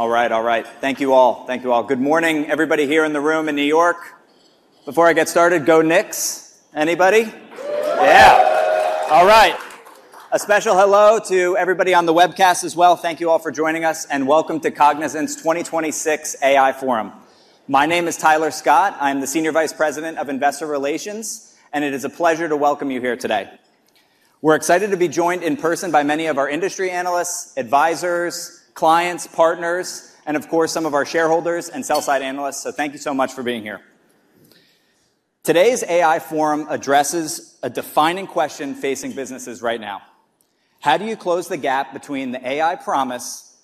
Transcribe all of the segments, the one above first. All right. Thank you all. Good morning, everybody here in the room in New York. Before I get started, go Knicks. Anybody? Yeah. All right. A special hello to everybody on the webcast as well. Thank you all for joining us, and welcome to Cognizant's 2026 AI Forum. My name is Tyler Scott. I'm the Senior Vice President of Investor Relations, and it is a pleasure to welcome you here today. We're excited to be joined in person by many of our industry analysts, advisors, clients, partners, and of course, some of our shareholders and sell-side analysts. Thank you so much for being here. Today's AI forum addresses a defining question facing businesses right now. How do you close the gap between the AI promise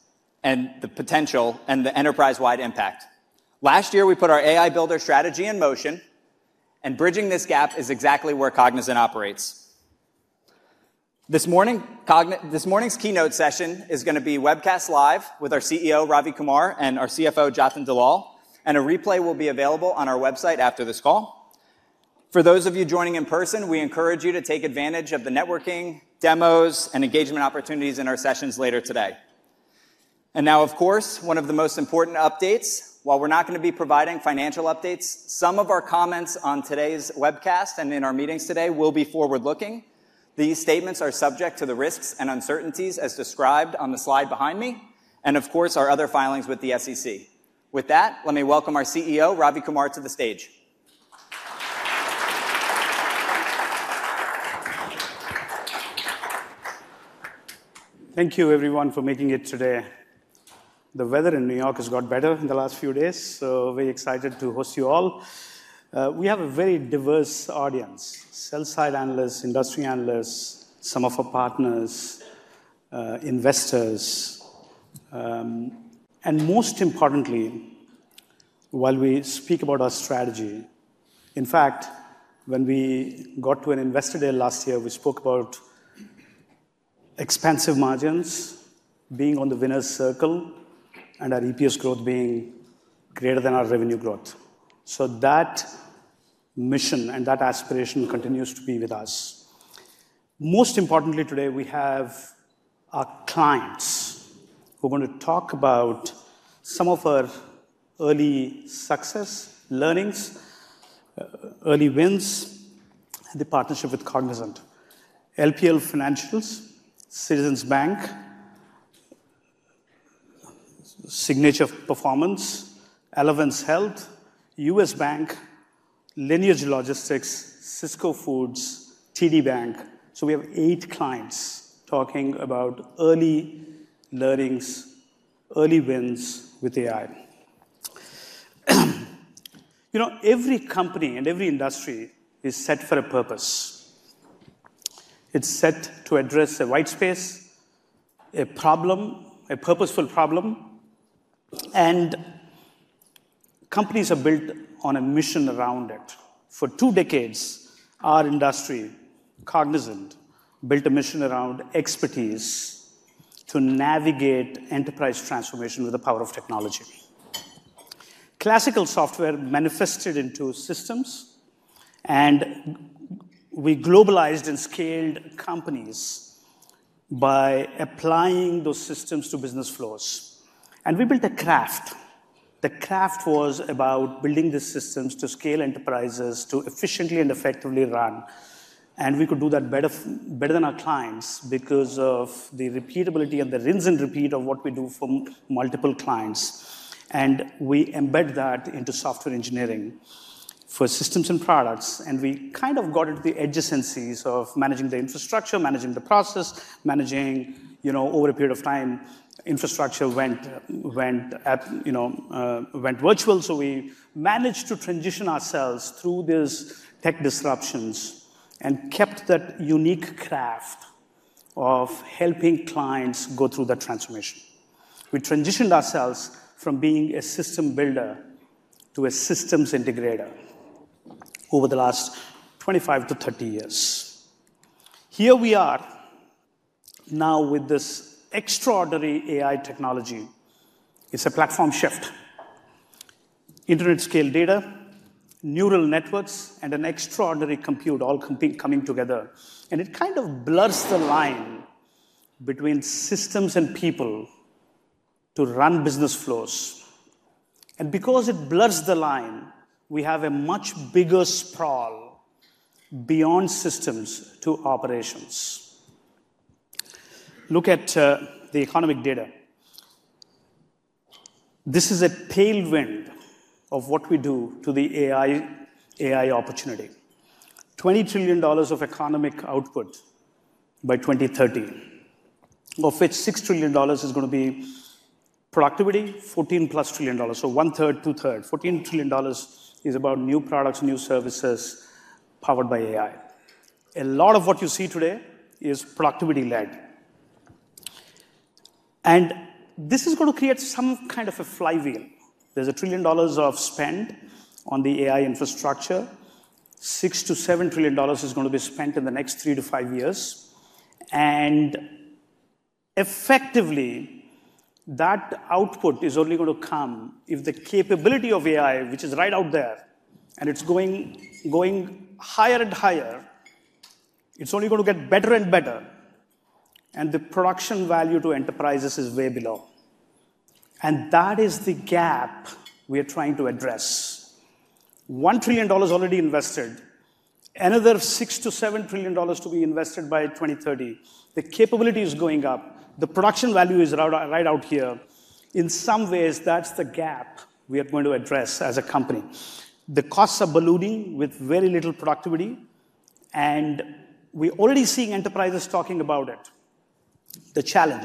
and the potential and the enterprise-wide impact? Last year, we put our AI builder strategy in motion. Bridging this gap is exactly where Cognizant operates. This morning's keynote session is going to be webcast live with our CEO, Ravi Kumar, and our CFO, Jatin Dalal, and a replay will be available on our website after this call. For those of you joining in person, we encourage you to take advantage of the networking, demos, and engagement opportunities in our sessions later today. Now, of course, one of the most important updates. While we're not going to be providing financial updates, some of our comments on today's webcast and in our meetings today will be forward-looking. These statements are subject to the risks and uncertainties as described on the slide behind me and, of course, our other filings with the SEC. With that, let me welcome our CEO, Ravi Kumar, to the stage. Thank you, everyone, for making it today. The weather in New York has got better in the last few days, very excited to host you all. We have a very diverse audience, sell-side analysts, industry analysts, some of our partners, investors, and most importantly, while we speak about our strategy, in fact, when we got to an investor day last year, we spoke about expansive margins being on the winners' circle and our EPS growth being greater than our revenue growth. That mission and that aspiration continues to be with us. Most importantly, today, we have our clients who are going to talk about some of our early success learnings, early wins, and the partnership with Cognizant. LPL Financial, Citizens Bank, Signature Performance, Elevance Health, U.S. Bank, Lineage Logistics, Sysco Foods, TD Bank. We have eight clients talking about early learnings, early wins with AI. Every company and every industry is set for a purpose. It's set to address a white space, a purposeful problem. Companies are built on a mission around it. For two decades, our industry, Cognizant, built a mission around expertise to navigate enterprise transformation with the power of technology. Classical software manifested into systems. We globalized and scaled companies by applying those systems to business flows. We built a craft. The craft was about building the systems to scale enterprises to efficiently and effectively run. We could do that better than our clients because of the repeatability and the rinse and repeat of what we do for multiple clients. We embed that into software engineering for systems and products. We got into the adjacencies of managing the infrastructure, managing the process, managing over a period of time, infrastructure went virtual. We managed to transition ourselves through these tech disruptions and kept that unique craft of helping clients go through that transformation. We transitioned ourselves from being a system builder to a systems integrator over the last 25-30 years. Here we are now with this extraordinary AI technology. It's a platform shift. Internet-scale data, neural networks, and an extraordinary compute all coming together. It blurs the line between systems and people to run business flows. Because it blurs the line, we have a much bigger sprawl beyond systems to operations. Look at the economic data. This is a tailwind of what we do to the AI opportunity. $20 trillion of economic output by 2030, of which $6 trillion is going to be productivity, $14+ trillion. One-third, two-third. $14 trillion is about new products, new services powered by AI. A lot of what you see today is productivity-led. This is going to create some kind of a flywheel. There's $1 trillion of spend on the AI infrastructure. $6 trillion-$7 trillion is going to be spent in the next three to five years. Effectively, that output is only going to come if the capability of AI, which is right out there, and it's going higher and higher. It's only going to get better and better. The production value to enterprises is way below. That is the gap we are trying to address. $1 trillion already invested, another $6 trillion-$7 trillion to be invested by 2030. The capability is going up. The production value is right out here. In some ways, that's the gap we are going to address as a company. The costs are ballooning with very little productivity, and we're already seeing enterprises talking about it. The challenge,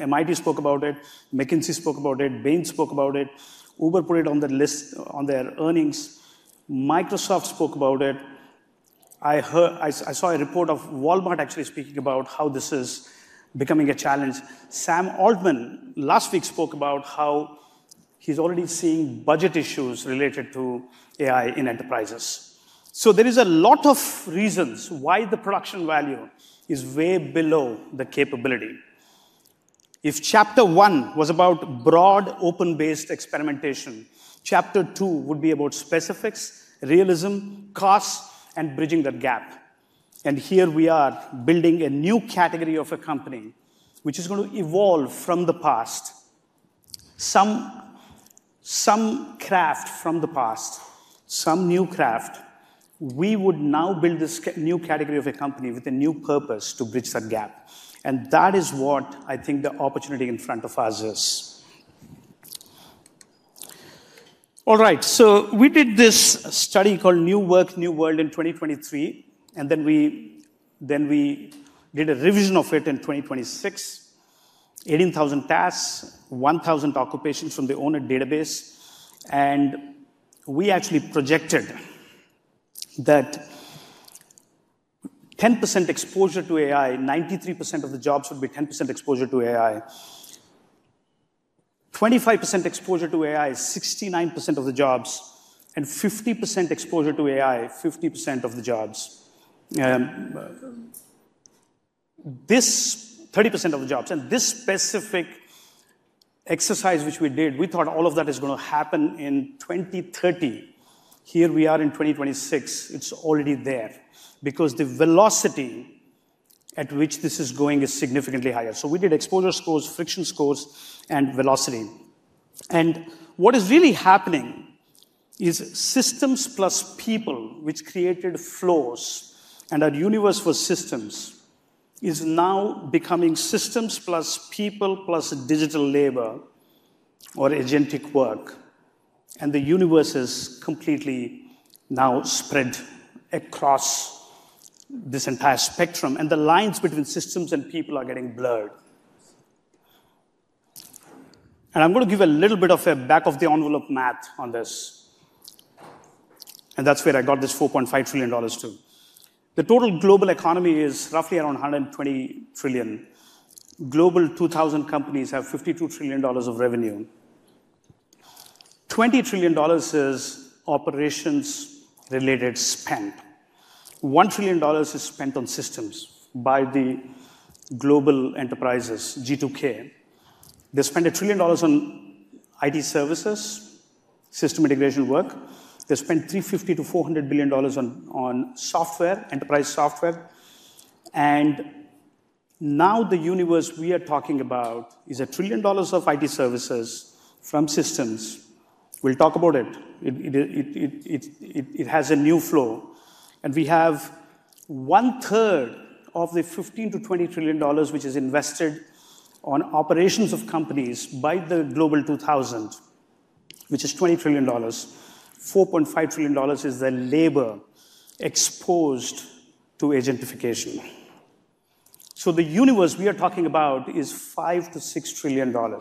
MIT spoke about it, McKinsey spoke about it, Bain spoke about it, Uber put it on their earnings. Microsoft spoke about it. I saw a report of Walmart actually speaking about how this is becoming a challenge. Sam Altman last week spoke about how he's already seeing budget issues related to AI in enterprises. There is a lot of reasons why the production value is way below the capability. If chapter one was about broad, open-based experimentation, chapter two would be about specifics, realism, costs, and bridging that gap. Here we are building a new category of a company, which is going to evolve from the past. Some craft from the past, some new craft. We would now build this new category of a company with a new purpose to bridge that gap, and that is what I think the opportunity in front of us is. All right. We did this study called New Work, New World in 2023, and then we did a revision of it in 2026, 18,000 tasks, 1,000 occupations from the O*NET database. We actually projected that 10% exposure to AI, 93% of the jobs would be 10% exposure to AI. 25% exposure to AI is 69% of the jobs, and 50% exposure to AI, 50% of the jobs. This 30% of the jobs and this specific exercise which we did, we thought all of that is going to happen in 2030. Here we are in 2026. It's already there because the velocity at which this is going is significantly higher. We did exposure scores, friction scores, and velocity. What is really happening is systems plus people, which created flows and our universe for systems, is now becoming systems plus people plus digital labor or agentic work, and the universe is completely now spread across this entire spectrum, and the lines between systems and people are getting blurred. I'm going to give a little bit of a back-of-the-envelope math on this, and that's where I got this $4.5 trillion too. The total global economy is roughly around $120 trillion. Global 2,000 companies have $52 trillion of revenue. $20 trillion is operations related spend. $1 trillion is spent on systems by the global enterprises, G2K. They spend $1 trillion on IT services, system integration work. They spend $350 billion-$400 billion on software, enterprise software. Now the universe we are talking about is $1 trillion of IT services from systems. We'll talk about it. It has a new flow. We have one-third of the $15 trillion-$20 trillion which is invested on operations of companies by the Global 2000, which is $20 trillion. $4.5 trillion is the labor exposed to agentification. The universe we are talking about is $5 trillion-$6 trillion.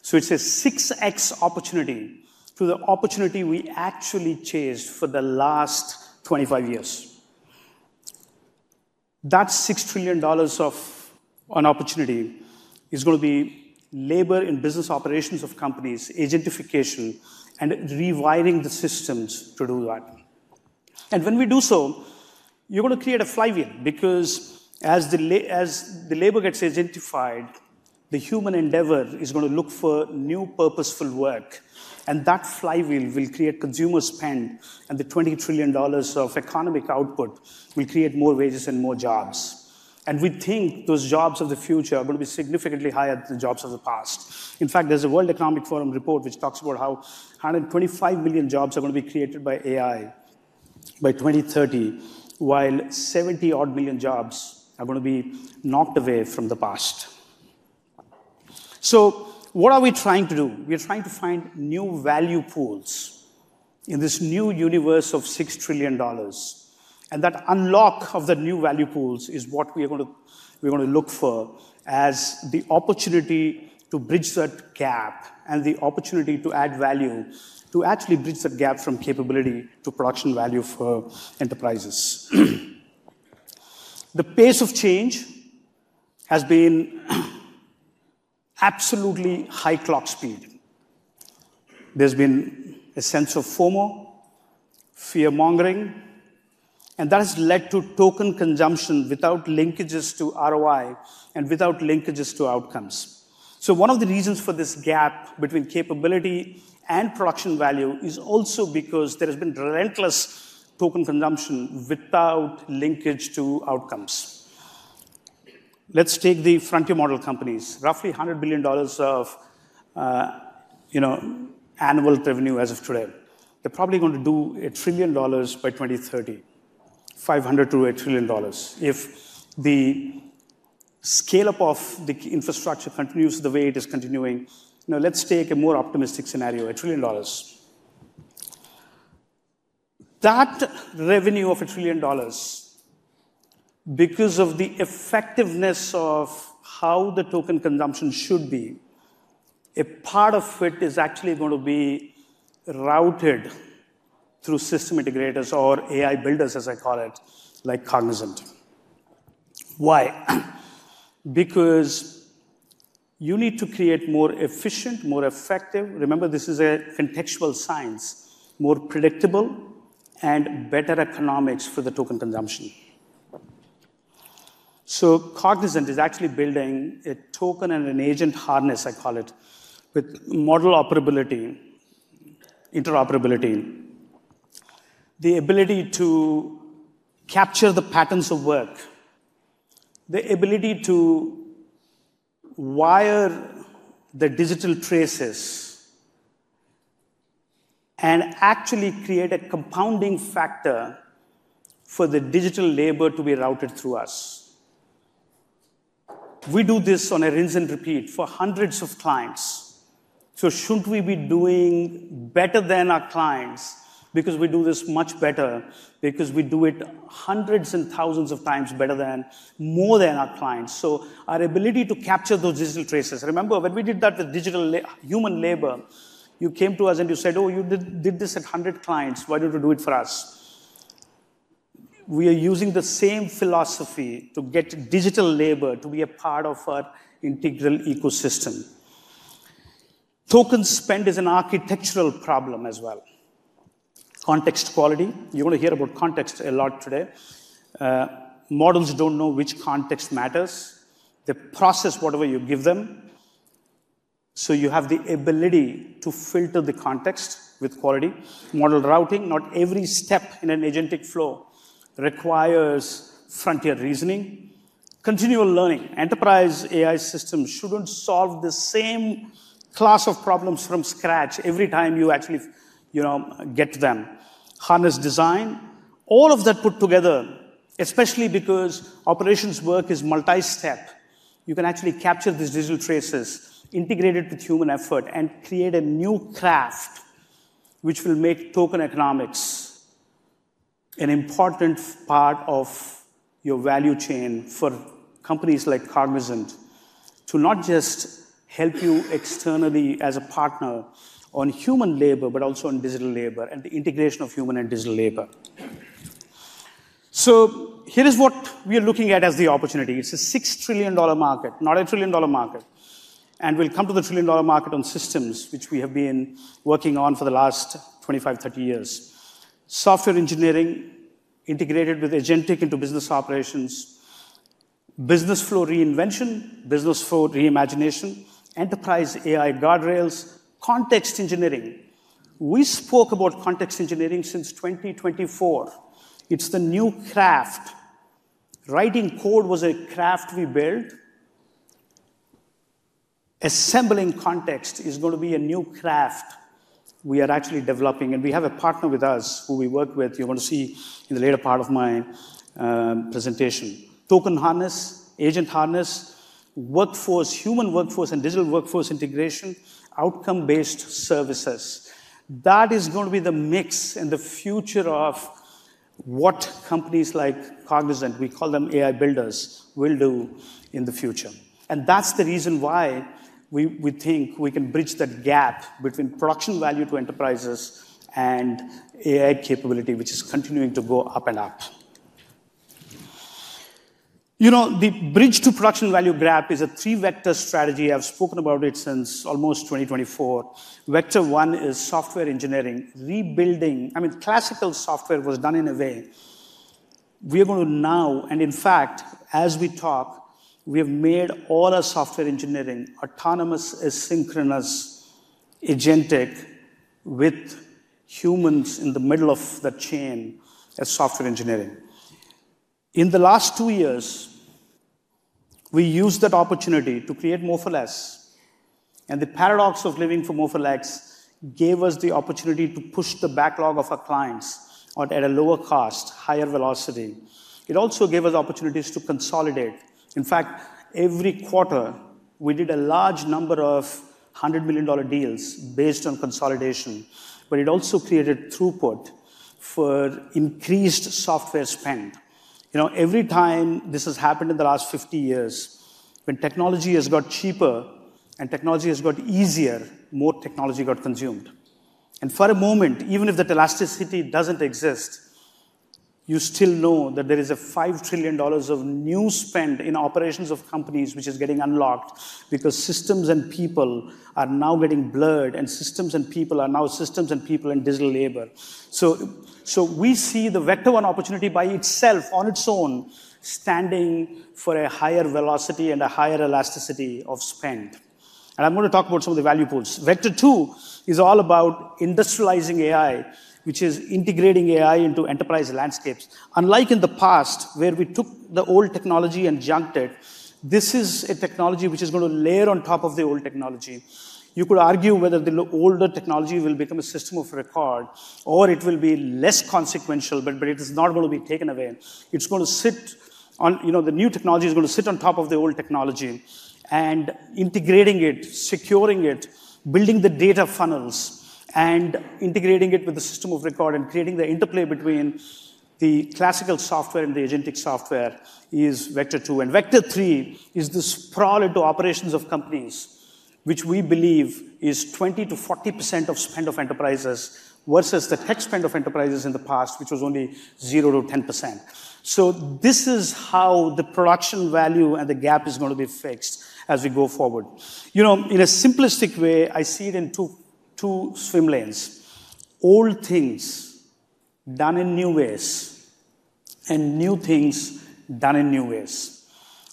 It's a 6x opportunity to the opportunity we actually chased for the last 25 years. That $6 trillion of an opportunity is going to be labor in business operations of companies, agentification, and rewiring the systems to do that. When we do so, you're going to create a flywheel because as the labor gets agentified, the human endeavor is going to look for new purposeful work. That flywheel will create consumer spend, and the $20 trillion of economic output will create more wages and more jobs. We think those jobs of the future are going to be significantly higher than the jobs of the past. In fact, there's a World Economic Forum report which talks about how 125 million jobs are going to be created by AI by 2030, while 70 odd million jobs are going to be knocked away from the past. What are we trying to do? We're trying to find new value pools in this new universe of $6 trillion. That unlock of the new value pools is what we're going to look for as the opportunity to bridge that gap and the opportunity to add value to actually bridge that gap from capability to production value for enterprises. The pace of change has been absolutely high clock speed. There's been a sense of FOMO, fear-mongering, and that has led to token consumption without linkages to ROI and without linkages to outcomes. One of the reasons for this gap between capability and production value is also because there has been relentless token consumption without linkage to outcomes. Let's take the frontier model companies, roughly $100 billion of annual revenue as of today. They're probably going to do $1 trillion by 2030, $500 billion-$1 trillion, if the scale-up of the infrastructure continues the way it is continuing. Let's take a more optimistic scenario, $1 trillion. That revenue of $1 trillion, because of the effectiveness of how the token consumption should be, a part of it is actually going to be routed through system integrators or AI builders, as I call it, like Cognizant. Why? You need to create more efficient, more effective, remember, this is a contextual science, more predictable, and better economics for the token consumption. Cognizant is actually building a token and an agent harness, I call it, with model interoperability. The ability to capture the patterns of work, the ability to wire the digital traces, and actually create a compounding factor for the digital labor to be routed through us. We do this on a rinse and repeat for hundreds of clients. Shouldn't we be doing better than our clients because we do this much better, because we do it hundreds and thousands of times better than, more than our clients? Our ability to capture those digital traces. Remember when we did that with human labor, you came to us and you said, "Oh, you did this at 100 clients. Why don't you do it for us?" We are using the same philosophy to get digital labor to be a part of our integral ecosystem. Token spend is an architectural problem as well. Context quality. You're going to hear about context a lot today. Models don't know which context matters. They process whatever you give them. You have the ability to filter the context with quality. Model routing. Not every step in an agentic flow requires Frontier reasoning. Continual learning. Enterprise AI systems shouldn't solve the same class of problems from scratch every time you actually get them. Harness design, all of that put together, especially because operations work is multi-step. You can actually capture these digital traces, integrate it with human effort, and create a new craft which will make token economics an important part of your value chain for companies like Cognizant to not just help you externally as a partner on human labor, but also on digital labor and the integration of human and digital labor. Here is what we are looking at as the opportunity. It's a $6 trillion market, not a $1 trillion market. We'll come to the $1 trillion market on systems which we have been working on for the last 25, 30 years. Software engineering integrated with Agentic into business operations, business flow reinvention, business flow reimagination, enterprise AI guardrails, context engineering. We spoke about context engineering since 2024. It's the new craft. Writing code was a craft we built. Assembling context is going to be a new craft we are actually developing, and we have a partner with us who we work with. You're going to see in the later part of my presentation. Token harness, agent harness, workforce, human workforce, and digital workforce integration, outcome-based services. That is going to be the mix and the future of what companies like Cognizant, we call them AI builders, will do in the future. That's the reason why we think we can bridge that gap between production value to enterprises and AI capability, which is continuing to go up and up. The bridge to production value gap is a three-vector strategy. I've spoken about it since almost 2024. Vector one is software engineering. Rebuilding Classical software was done in a way. We are going to now, and in fact, as we talk, we have made all our software engineering autonomous, asynchronous, agentic, with humans in the middle of that chain as software engineering. In the last two years, we used that opportunity to create more for less, and the paradox of living for more for less gave us the opportunity to push the backlog of our clients at a lower cost, higher velocity. In fact, every quarter, we did a large number of $100 million deals based on consolidation, but it also created throughput for increased software spend. Every time this has happened in the last 50 years, when technology has got cheaper and technology has got easier, more technology got consumed. For a moment, even if that elasticity doesn't exist, you still know that there is a $5 trillion of new spend in operations of companies which is getting unlocked because systems and people are now getting blurred, and systems and people are now systems and people in digital labor. We see the Vector One opportunity by itself on its own, standing for a higher velocity and a higher elasticity of spend. I'm going to talk about some of the value pools. Vector Two is all about industrializing AI, which is integrating AI into enterprise landscapes. Unlike in the past, where we took the old technology and junked it, this is a technology which is going to layer on top of the old technology. You could argue whether the older technology will become a system of record or it will be less consequential, but it is not going to be taken away. The new technology is going to sit on top of the old technology and integrating it, securing it, building the data funnels, and integrating it with the system of record and creating the interplay between the classical software and the agentic software is vector two. Vector three is the sprawl into operations of companies, which we believe is 20%-40% of spend of enterprises versus the tech spend of enterprises in the past, which was only 0%-10%. This is how the production value and the gap is going to be fixed as we go forward. In a simplistic way, I see it in two swim lanes. Old things done in new ways and new things done in new ways.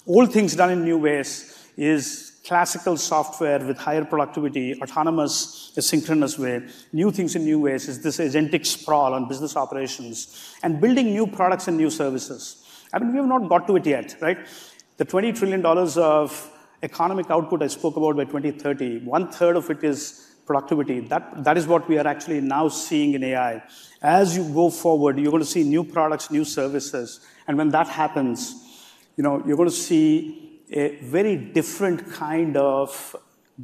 Old things done in new ways is classical software with higher productivity, autonomous, asynchronous way. New things in new ways is this agentic sprawl on business operations and building new products and new services. We have not got to it yet, right? The $20 trillion of economic output I spoke about by 2030, 1/3 of it is productivity. That is what we are actually now seeing in AI. As you go forward, you're going to see new products, new services, and when that happens, you're going to see a very different kind of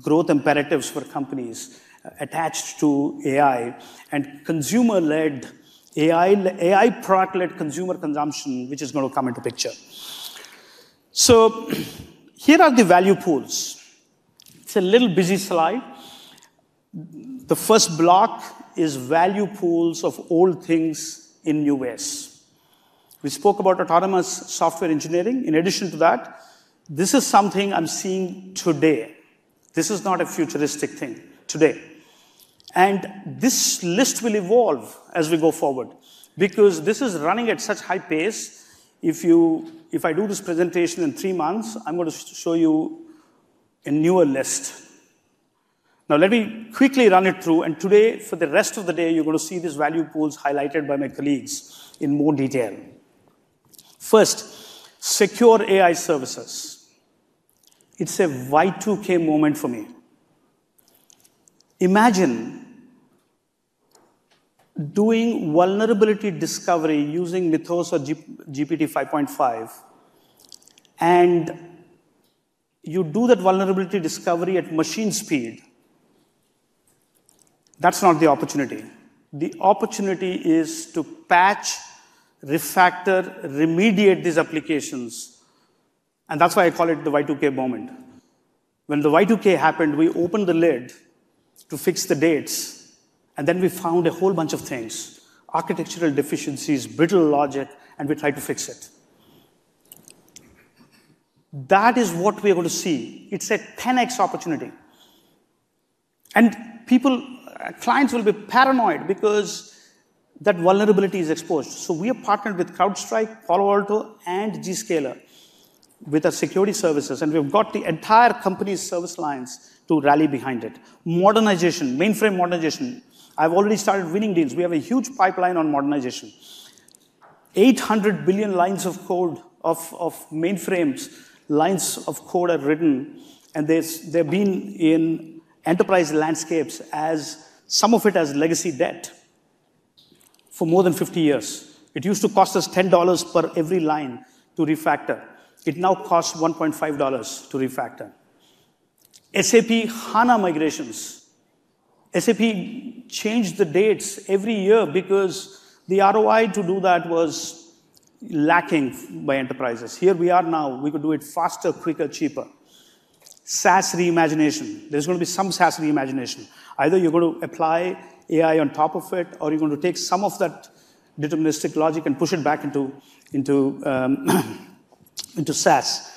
growth imperatives for companies attached to AI and consumer-led AI product-led consumer consumption, which is going to come into picture. Here are the value pools. It's a little busy slide. The first block is value pools of old things in new ways. This is something I'm seeing today. This is not a futuristic thing today. This list will evolve as we go forward because this is running at such high pace. If I do this presentation in three months, I'm going to show you a newer list. Let me quickly run it through and today, for the rest of the day, you're going to see these value pools highlighted by my colleagues in more detail. First, secure AI services. It's a Y2K moment for me. Imagine doing vulnerability discovery using Mythos or GPT-5.5, and you do that vulnerability discovery at machine speed. That's not the opportunity. The opportunity is to patch, refactor, remediate these applications, and that's why I call it the Y2K moment. When the Y2K happened, we opened the lid to fix the dates, we found a whole bunch of things, architectural deficiencies, brittle logic, we tried to fix it. That is what we are going to see. It's a 10X opportunity, clients will be paranoid because that vulnerability is exposed. We have partnered with CrowdStrike, Palo Alto, and Zscaler with our security services, we've got the entire company's service lines to rally behind it. Modernization, mainframe modernization. I've already started winning deals. We have a huge pipeline on modernization. 800 billion lines of code of mainframes, lines of code are written, they've been in enterprise landscapes as some of it as legacy debt for more than 50 years. It used to cost us $10 per every line to refactor. It now costs $1.50 to refactor. SAP HANA migrations. SAP changed the dates every year because the ROI to do that was lacking by enterprises. Here we are now. We could do it faster, quicker, cheaper. SaaS reimagination. There's going to be some SaaS reimagination. Either you're going to apply AI on top of it, or you're going to take some of that deterministic logic and push it back into SaaS.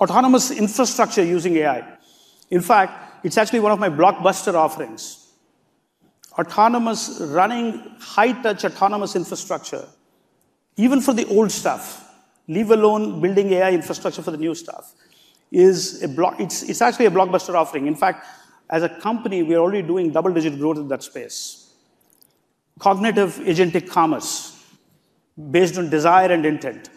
Autonomous infrastructure using AI. In fact, it's actually one of my blockbuster offerings. Autonomous running, high-touch autonomous infrastructure, even for the old stuff, leave alone building AI infrastructure for the new stuff, it's actually a blockbuster offering. In fact, as a company, we are already doing double-digit growth in that space. Cognitive agentic commerce based on desire and intent.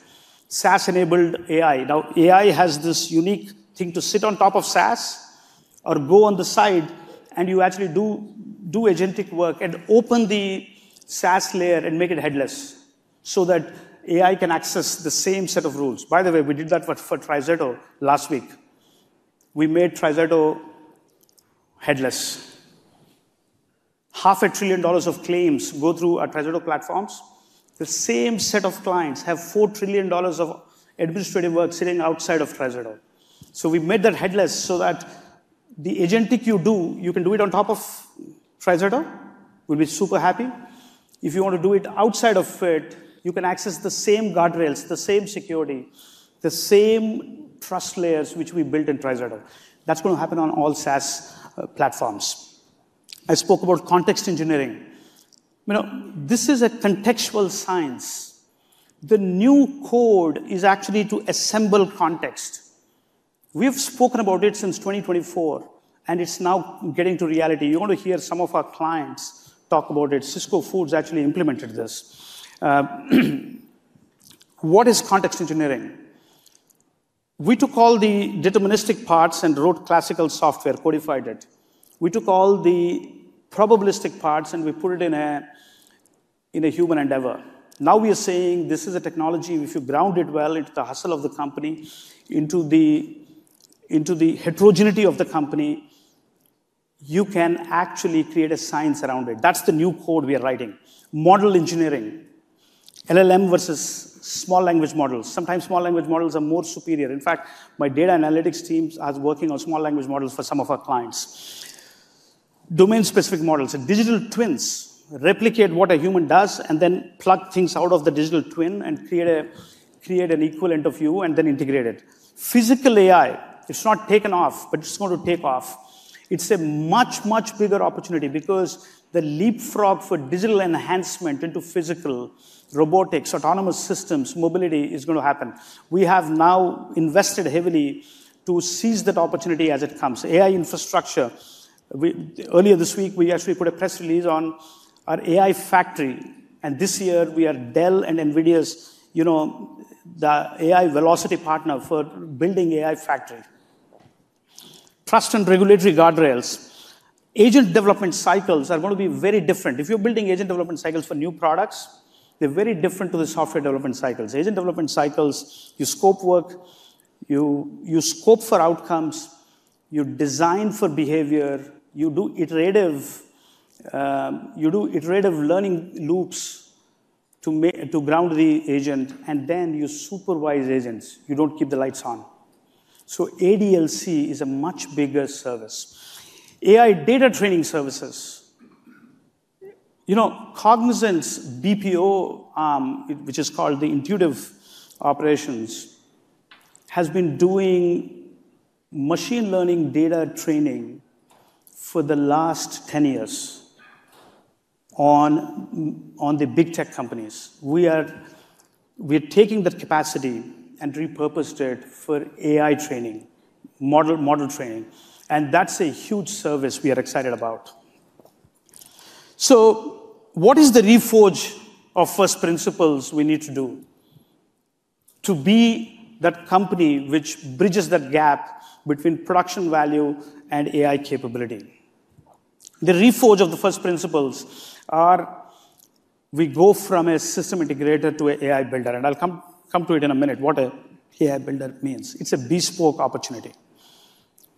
SaaS-enabled AI. AI has this unique thing to sit on top of SaaS or go on the side and you actually do agentic work and open the SaaS layer and make it headless so that AI can access the same set of rules. By the way, we did that for TriZetto last week. We made TriZetto headless. Half a trillion dollars of claims go through our TriZetto platforms. The same set of clients have $4 trillion of administrative work sitting outside of TriZetto. We made that headless so that the agentic you do, you can do it on top of TriZetto. We'll be super happy. If you want to do it outside of it, you can access the same guardrails, the same security, the same trust layers which we built in TriZetto. That's going to happen on all SaaS platforms. I spoke about context engineering. This is a contextual science. The new code is actually to assemble context. We've spoken about it since 2024, and it's now getting to reality. You're going to hear some of our clients talk about it. Sysco Foods actually implemented this. What is context engineering? We took all the deterministic parts and wrote classical software, codified it. We took all the probabilistic parts, and we put it in a human endeavor. Now we are saying this is a technology, if you ground it well into the hustle of the company, into the heterogeneity of the company, you can actually create a science around it. That's the new code we are writing. Model engineering. LLM versus small language models. Sometimes small language models are more superior. In fact, my data analytics teams are working on small language models for some of our clients. Domain-specific models and digital twins replicate what a human does and then pluck things out of the digital twin and create an equivalent of you and then integrate it. Physical AI, it's not taken off, but it's going to take off. It's a much, much bigger opportunity because the leapfrog for digital enhancement into physical, robotics, autonomous systems, mobility is going to happen. We have now invested heavily to seize that opportunity as it comes. AI infrastructure. Earlier this week, we actually put a press release on our AI factory, and this year we are Dell and NVIDIA's, the AI velocity partner for building AI factory. Trust and regulatory guardrails. Agent development cycles are going to be very different. If you're building agent development cycles for new products, they're very different to the software development cycles. Agent development cycles, you scope work, you scope for outcomes, you design for behavior, you do iterative learning loops to ground the agent, and then you supervise agents. You don't keep the lights on. ADLC is a much bigger service. AI data training services. Cognizant's BPO, which is called the Intuitive Operations, has been doing machine learning data training for the last 10 years on the big tech companies. We're taking that capacity and repurposed it for AI training, model training, and that's a huge service we are excited about. What is the reforge of first principles we need to do to be that company which bridges that gap between production value and AI capability? The reforge of the first principles are we go from a system integrator to an AI builder, and I'll come to it in a minute, what AI builder means. It's a bespoke opportunity.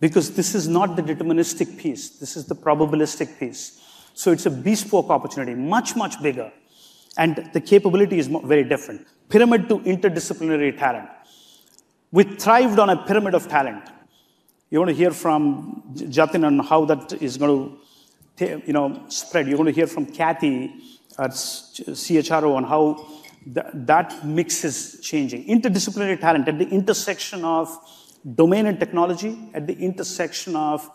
Because this is not the deterministic piece, this is the probabilistic piece. It's a bespoke opportunity, much, much bigger, and the capability is very different. Pyramid to interdisciplinary talent. We thrived on a pyramid of talent. You're going to hear from Jatin on how that is going to spread. You're going to hear from Kathy, our CHRO, on how that mix is changing. Interdisciplinary talent at the intersection of domain and technology, at the intersection of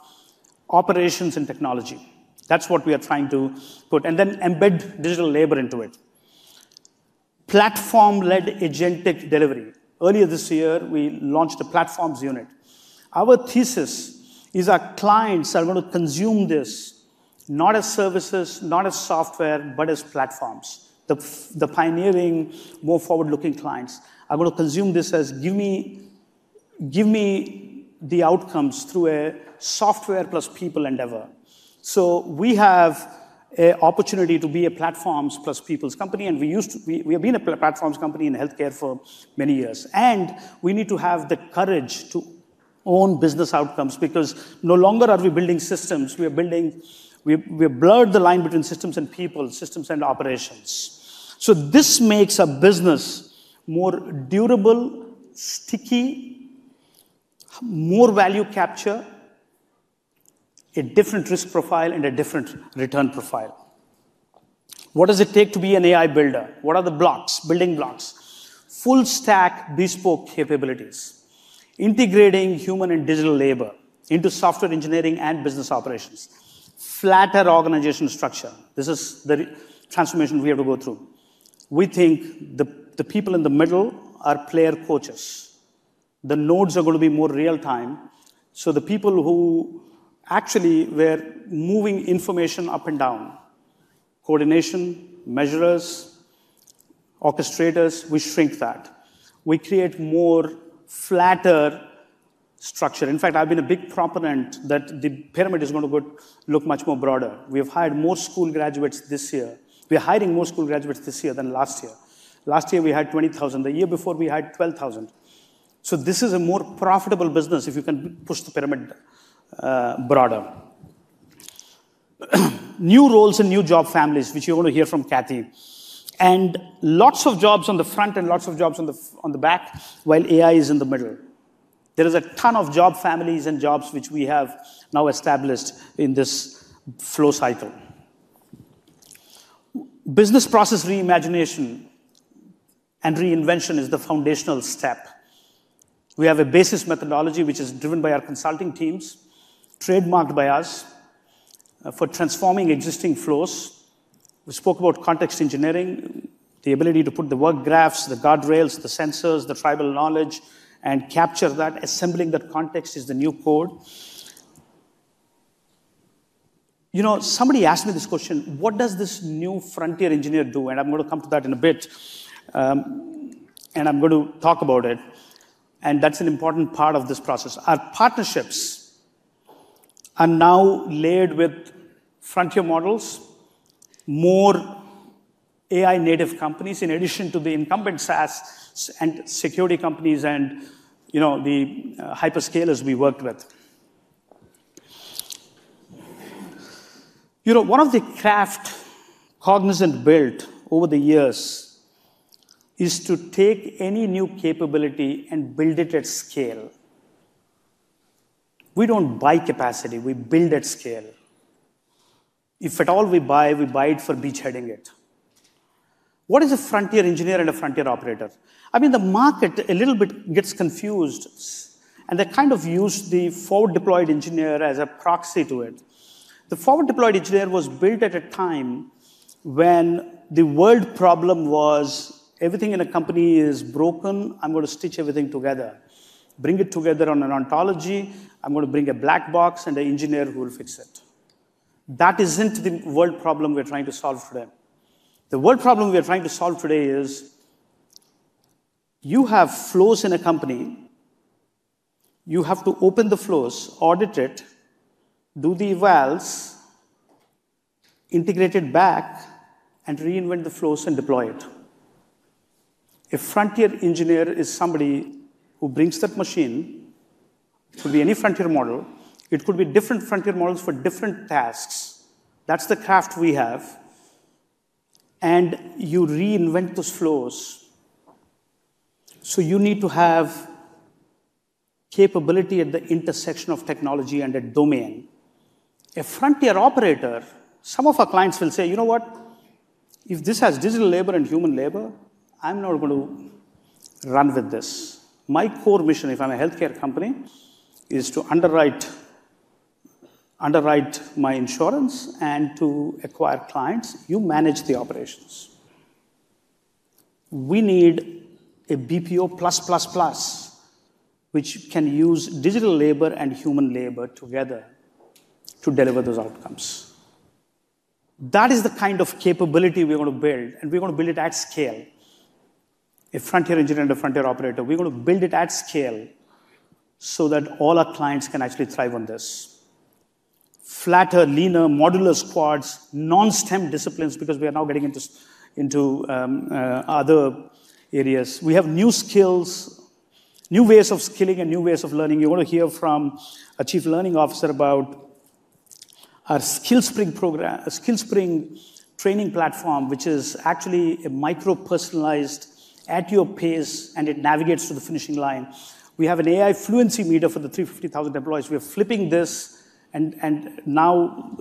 operations and technology. That's what we are trying to put, and then embed digital labor into it. Platform-led agentic delivery. Earlier this year, we launched a platforms unit. Our thesis is our clients are going to consume this not as services, not as software, but as platforms. The pioneering, more forward-looking clients are going to consume this as, "Give me the outcomes through a software plus people endeavor." We have an opportunity to be a platforms plus people's company, and we have been a platforms company in healthcare for many years. We need to have the courage to own business outcomes because no longer are we building systems, we have blurred the line between systems and people, systems and operations. This makes a business more durable, sticky, more value capture, a different risk profile, and a different return profile. What does it take to be an AI builder? What are the blocks, building blocks? Full stack bespoke capabilities. Integrating human and digital labor into software engineering and business operations. Flatter organization structure. This is the transformation we have to go through. We think the people in the middle are player coaches. The nodes are going to be more real-time, so the people who actually were moving information up and down, coordination, measurers, orchestrators, we shrink that. We create more flatter structure. In fact, I've been a big proponent that the pyramid is going to look much more broader. We have hired more school graduates this year. We are hiring more school graduates this year than last year. Last year, we hired 20,000. The year before, we hired 12,000. This is a more profitable business if you can push the pyramid broader. New roles and new job families, which you're going to hear from Kathy. Lots of jobs on the front and lots of jobs on the back, while AI is in the middle. There is a ton of job families and jobs which we have now established in this flow cycle. Business process reimagination and reinvention is the foundational step. We have a BASIS methodology which is driven by our consulting teams, trademarked by us for transforming existing flows. We spoke about context engineering, the ability to put the work graphs, the guardrails, the sensors, the tribal knowledge, and capture that. Assembling that context is the new code. Somebody asked me this question, what does this new Frontier Engineer do? I'm going to come to that in a bit. I'm going to talk about it, and that's an important part of this process. Our partnerships are now layered with frontier models, more AI native companies in addition to the incumbent SaaS and security companies and the hyperscalers we worked with. One of the craft Cognizant built over the years is to take any new capability and build it at scale. We don't buy capacity, we build at scale. If at all we buy, we buy it for beachheading it. What is a Frontier Engineer and a Frontier Operator? The market a little bit gets confused, and they kind of use the Forward Deployed Engineer as a proxy to it. The Forward Deployed Engineer was built at a time when the world problem was everything in a company is broken, I'm going to stitch everything together, bring it together on an ontology. I'm going to bring a black box and an engineer who will fix it. That isn't the world problem we're trying to solve today. The world problem we are trying to solve today is you have flows in a company, you have to open the flows, audit it, do the evals, integrate it back, and reinvent the flows and deploy it. A Frontier Engineer is somebody who brings that machine. It could be any frontier model. It could be different frontier models for different tasks. That's the craft we have. You reinvent those flows. You need to have capability at the intersection of technology and a domain. A Frontier Operator, some of our clients will say, "You know what? If this has digital labor and human labor, I'm now going to run with this." My core mission, if I'm a healthcare company, is to underwrite my insurance and to acquire clients. You manage the operations. We need a BPO++ which can use digital labor and human labor together to deliver those outcomes. That is the kind of capability we're going to build, and we're going to build it at scale. A Frontier Engineer and a Frontier Operator. We're going to build it at scale so that all our clients can actually thrive on this. Flatter, leaner, modular squads, non-STEM disciplines because we are now getting into other areas. We have new skills, new ways of skilling, and new ways of learning. You're going to hear from a chief learning officer about our SkillSpring training platform, which is actually a micro-personalized at your pace and it navigates to the finishing line. We have an AI fluency meter for the 350,000 employees. Now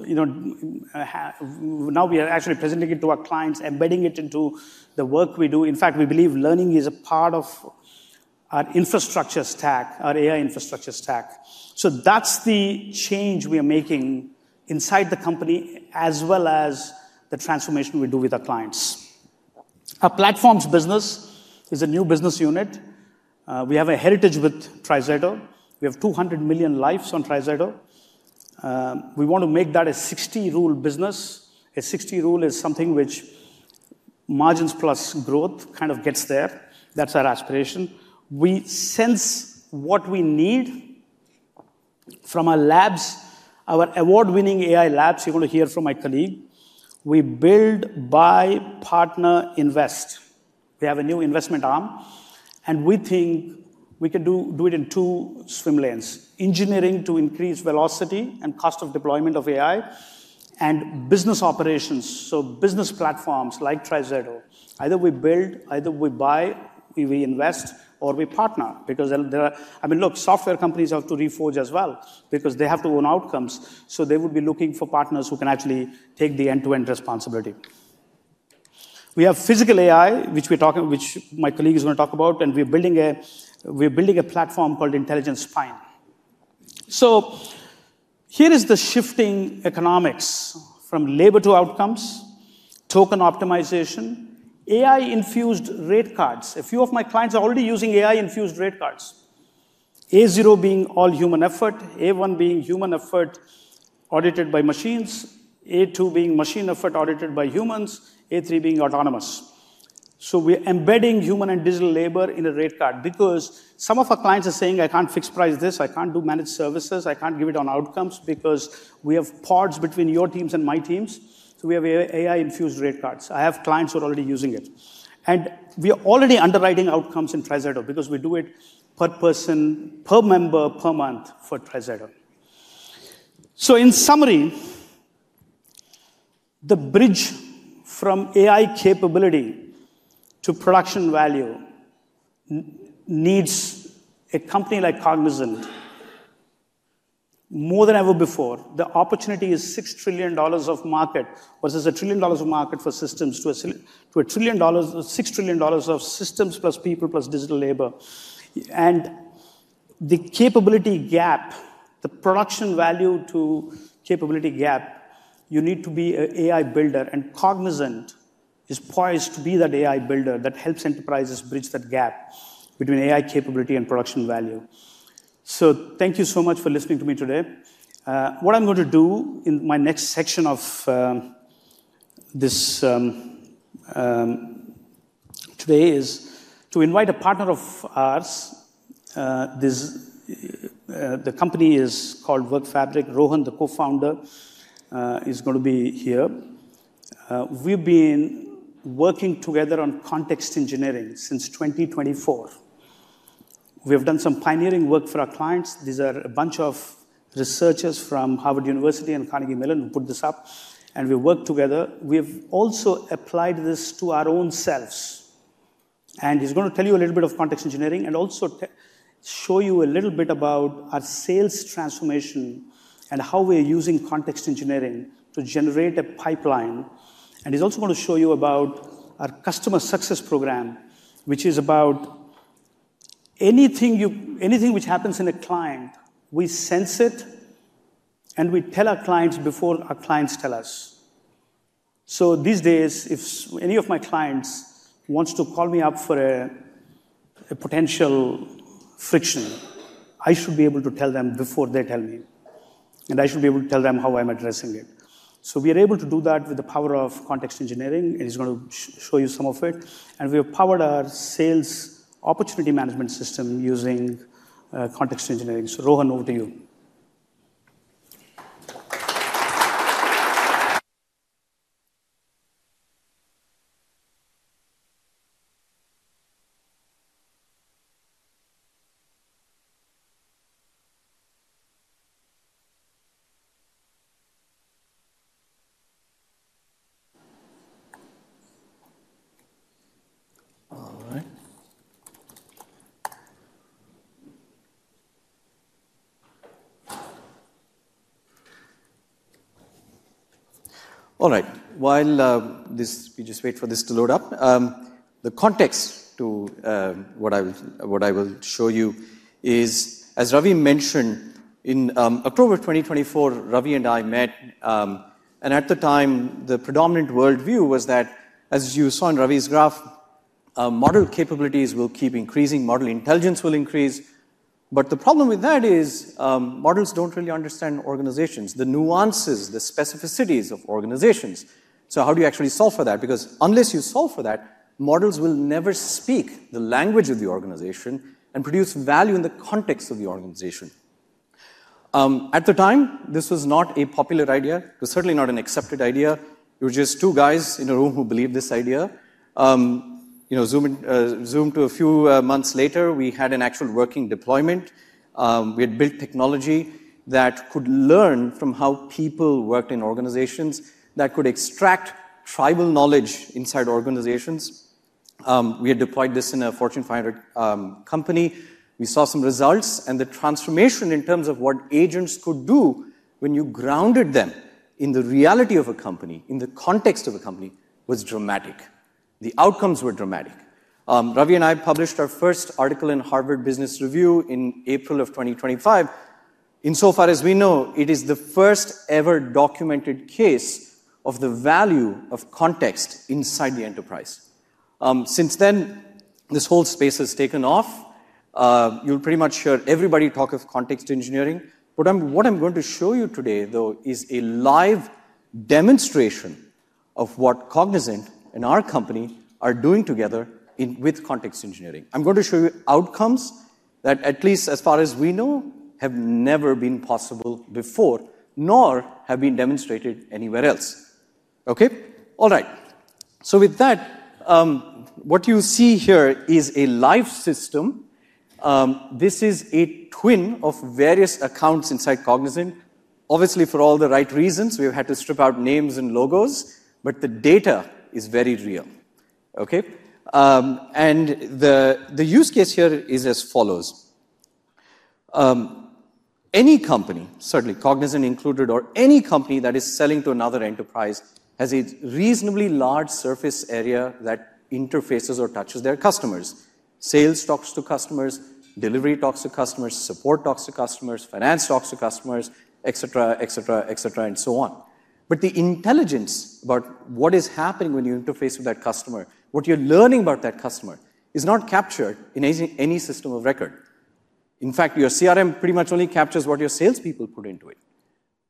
we are actually presenting it to our clients, embedding it into the work we do. In fact, we believe learning is a part of our infrastructure stack, our AI infrastructure stack. That's the change we are making inside the company as well as the transformation we do with our clients. Our platforms business is a new business unit. We have a heritage with TriZetto. We have 200 million lives on TriZetto. We want to make that a 60-rule business. A 60 rule is something which margins plus growth kind of gets there. That's our aspiration. We sense what we need from our labs, our award-winning AI labs. You're going to hear from my colleague. We build, buy, partner, invest. We have a new investment arm. We think we can do it in two swim lanes, engineering to increase velocity and cost of deployment of AI and business operations. Business platforms like TriZetto. Either we build, either we buy, we invest or we partner because Look, software companies have to reforge as well because they have to own outcomes. They would be looking for partners who can actually take the end-to-end responsibility. We have physical AI which my colleague is going to talk about and we're building a platform called Intelligence Spine. Here is the shifting economics from labor to outcomes, token optimization, AI infused rate cards. A few of my clients are already using AI infused rate cards. A0 being all human effort, A1 being human effort audited by machines, A2 being machine effort audited by humans, A3 being autonomous. We're embedding human and digital labor in a rate card because some of our clients are saying, "I can't fix price this. I can't do managed services. I can't give it on outcomes because we have pods between your teams and my teams." We have AI infused rate cards. I have clients who are already using it. We are already underwriting outcomes in TriZetto because we do it per person, per member, per month for TriZetto. In summary, the bridge from AI capability to production value needs a company like Cognizant. More than ever before, the opportunity is $6 trillion of market. Was this a trillion dollars of market for systems to a trillion dollars. $6 trillion of systems plus people plus digital labor. The capability gap, the production value to capability gap, you need to be an AI builder, and Cognizant is poised to be that AI builder that helps enterprises bridge that gap between AI capability and production value. Thank you so much for listening to me today. What I'm going to do in my next section of this today is to invite a partner of ours. The company is called Workfabric. Rohan, the co-founder, is going to be here. We've been working together on context engineering since 2024. We have done some pioneering work for our clients. These are a bunch of researchers from Harvard University and Carnegie Mellon who put this up. We worked together. We've also applied this to our own selves. He's going to tell you a little bit of context engineering and also show you a little bit about our sales transformation and how we're using context engineering to generate a pipeline. He's also going to show you about our customer success program, which is about anything which happens in a client, we sense it, and we tell our clients before our clients tell us. These days, if any of my clients wants to call me up for a potential friction, I should be able to tell them before they tell me, and I should be able to tell them how I'm addressing it. We are able to do that with the power of context engineering, and he's going to show you some of it. We have powered our sales opportunity management system using context engineering. Rohan, over to you. All right. All right. While we just wait for this to load up. The context to what I will show you is, as Ravi mentioned, in October 2024, Ravi and I met, and at the time, the predominant worldview was that, as you saw in Ravi's graph, model capabilities will keep increasing, model intelligence will increase. The problem with that is, models don't really understand organizations, the nuances, the specificities of organizations. How do you actually solve for that? Because unless you solve for that, models will never speak the language of the organization and produce value in the context of the organization. At the time, this was not a popular idea. It was certainly not an accepted idea. It was just two guys in a room who believed this idea. Zoom to a few months later, we had an actual working deployment. We had built technology that could learn from how people worked in organizations that could extract tribal knowledge inside organizations. We had deployed this in a Fortune 500 company. We saw some results, and the transformation in terms of what agents could do when you grounded them in the reality of a company, in the context of a company, was dramatic. The outcomes were dramatic. Ravi and I published our first article in Harvard Business Review in April of 2025. Insofar as we know, it is the first-ever documented case of the value of context inside the enterprise. Since then, this whole space has taken off. You'll pretty much hear everybody talk of context engineering, but what I'm going to show you today, though, is a live demonstration of what Cognizant and our company are doing together with context engineering. I'm going to show you outcomes that, at least as far as we know, have never been possible before, nor have been demonstrated anywhere else. Okay. All right. With that, what you see here is a live system. This is a twin of various accounts inside Cognizant. Obviously, for all the right reasons, we've had to strip out names and logos, but the data is very real. Okay. The use case here is as follows. Any company, certainly Cognizant included, or any company that is selling to another enterprise, has a reasonably large surface area that interfaces or touches their customers. Sales talks to customers, delivery talks to customers, support talks to customers, finance talks to customers, et cetera, and so on. The intelligence about what is happening when you interface with that customer, what you're learning about that customer is not captured in any system of record. In fact, your CRM pretty much only captures what your salespeople put into it.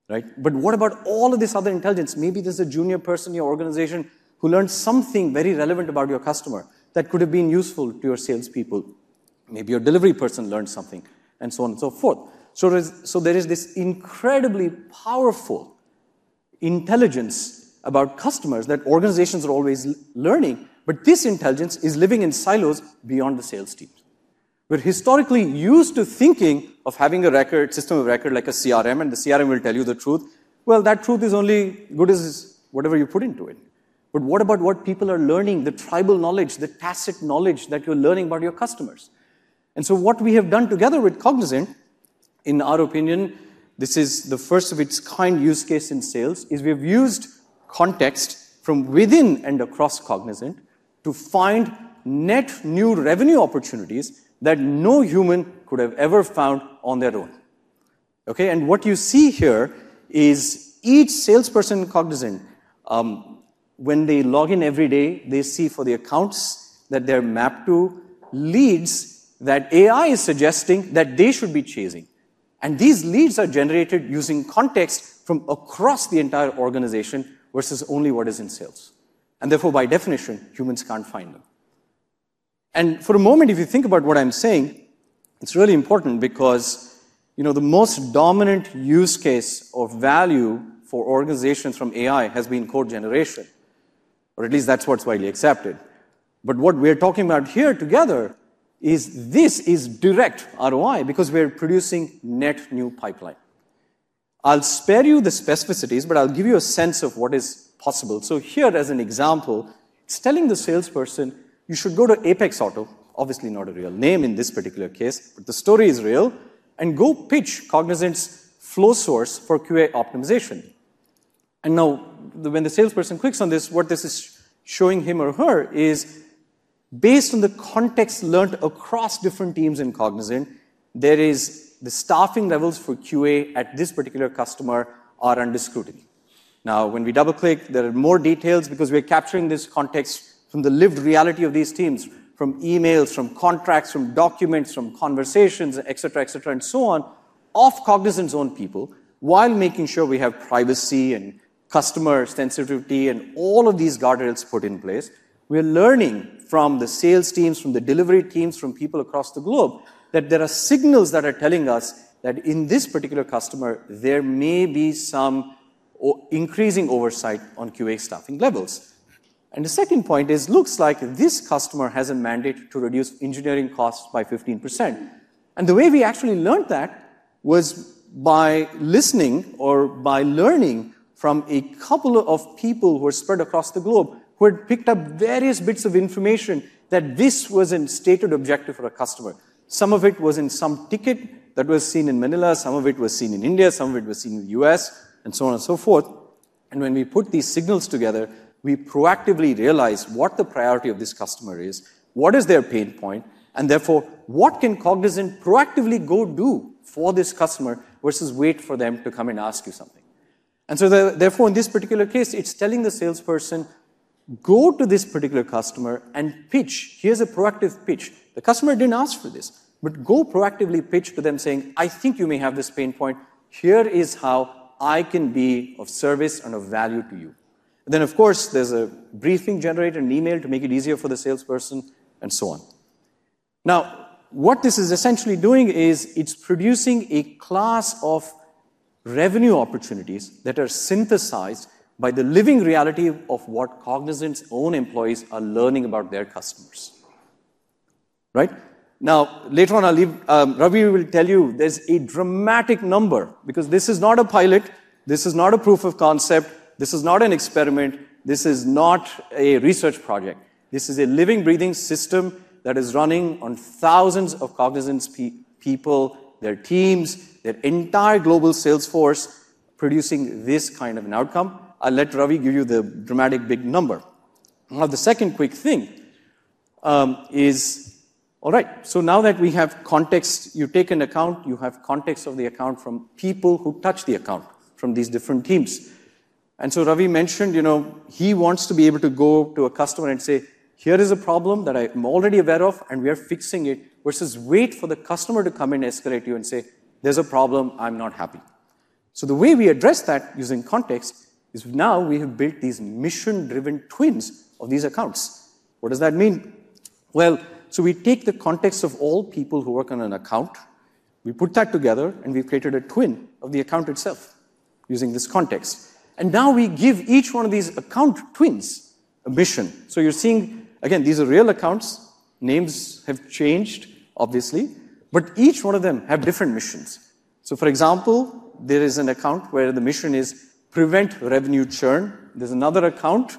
Right? What about all of this other intelligence? Maybe there's a junior person in your organization who learned something very relevant about your customer that could have been useful to your salespeople. Maybe your delivery person learned something, and so on and so forth. There's this incredibly powerful intelligence about customers that organizations are always learning, but this intelligence is living in silos beyond the sales teams. We're historically used to thinking of having a system of record like a CRM, and the CRM will tell you the truth. Well, that truth is only good as whatever you put into it. But what about what people are learning, the tribal knowledge, the tacit knowledge that you're learning about your customers? What we have done together with Cognizant, in our opinion, this is the first of its kind use case in sales, is we've used context from within and across Cognizant to find net new revenue opportunities that no human could have ever found on their own. Okay? What you see here is each salesperson in Cognizant, when they log in every day, they see for the accounts that they're mapped to, leads that AI is suggesting that they should be chasing. These leads are generated using context from across the entire organization versus only what is in sales. Therefore, by definition, humans can't find them. For a moment, if you think about what I'm saying, it's really important because the most dominant use case of value for organizations from AI has been code generation, or at least that's what's widely accepted. What we're talking about here together is this is direct ROI because we're producing net new pipeline. I'll spare you the specificities, but I'll give you a sense of what is possible. Here, as an example, it's telling the salesperson, you should go to Apex Auto, obviously not a real name in this particular case, but the story is real, and go pitch Cognizant's Cognizant FlowSource for QA optimization. Now, when the salesperson clicks on this, what this is showing him or her is based on the context learnt across different teams in Cognizant, there is the staffing levels for QA at this particular customer are under scrutiny. When we double-click, there are more details because we are capturing this context from the lived reality of these teams, from emails, from contracts, from documents, from conversations, et cetera, et cetera, and so on, of Cognizant's own people, while making sure we have privacy and customer sensitivity and all of these guardrails put in place. We are learning from the sales teams, from the delivery teams, from people across the globe, that there are signals that are telling us that in this particular customer, there may be some increasing oversight on QA staffing levels. The second point is looks like this customer has a mandate to reduce engineering costs by 15%. The way we actually learned that was by listening or by learning from a couple of people who are spread across the globe who had picked up various bits of information that this was a stated objective for a customer. Some of it was in some ticket that was seen in Manila, some of it was seen in India, some of it was seen in the U.S., and so on and so forth. When we put these signals together, we proactively realize what the priority of this customer is, what is their pain point, and therefore, what can Cognizant proactively go do for this customer versus wait for them to come and ask you something. Therefore, in this particular case, it's telling the salesperson, go to this particular customer and pitch. Here's a proactive pitch. The customer didn't ask for this, go proactively pitch to them saying, "I think you may have this pain point. Here is how I can be of service and of value to you." Of course, there's a briefing generator and email to make it easier for the salesperson, and so on. What this is essentially doing is it's producing a class of revenue opportunities that are synthesized by the living reality of what Cognizant's own employees are learning about their customers. Right? Later on, Ravi will tell you there's a dramatic number because this is not a pilot, this is not a proof of concept, this is not an experiment, this is not a research project. This is a living, breathing system that is running on thousands of Cognizant's people, their teams, their entire global sales force producing this kind of an outcome. I'll let Ravi give you the dramatic big number. The second quick thing is, all right, now that we have context, you take an account, you have context of the account from people who touch the account from these different teams. Ravi mentioned he wants to be able to go to a customer and say, "Here is a problem that I am already aware of, and we are fixing it," versus wait for the customer to come and escalate you and say, "There's a problem. I'm not happy." The way we address that using context is now we have built these mission-driven twins of these accounts. What does that mean? Well, we take the context of all people who work on an account, we put that together, and we've created a twin of the account itself using this context. Now we give each one of these account twins a mission. You're seeing, again, these are real accounts. Names have changed, obviously, but each one of them have different missions. For example, there is an account where the mission is prevent revenue churn. There's another account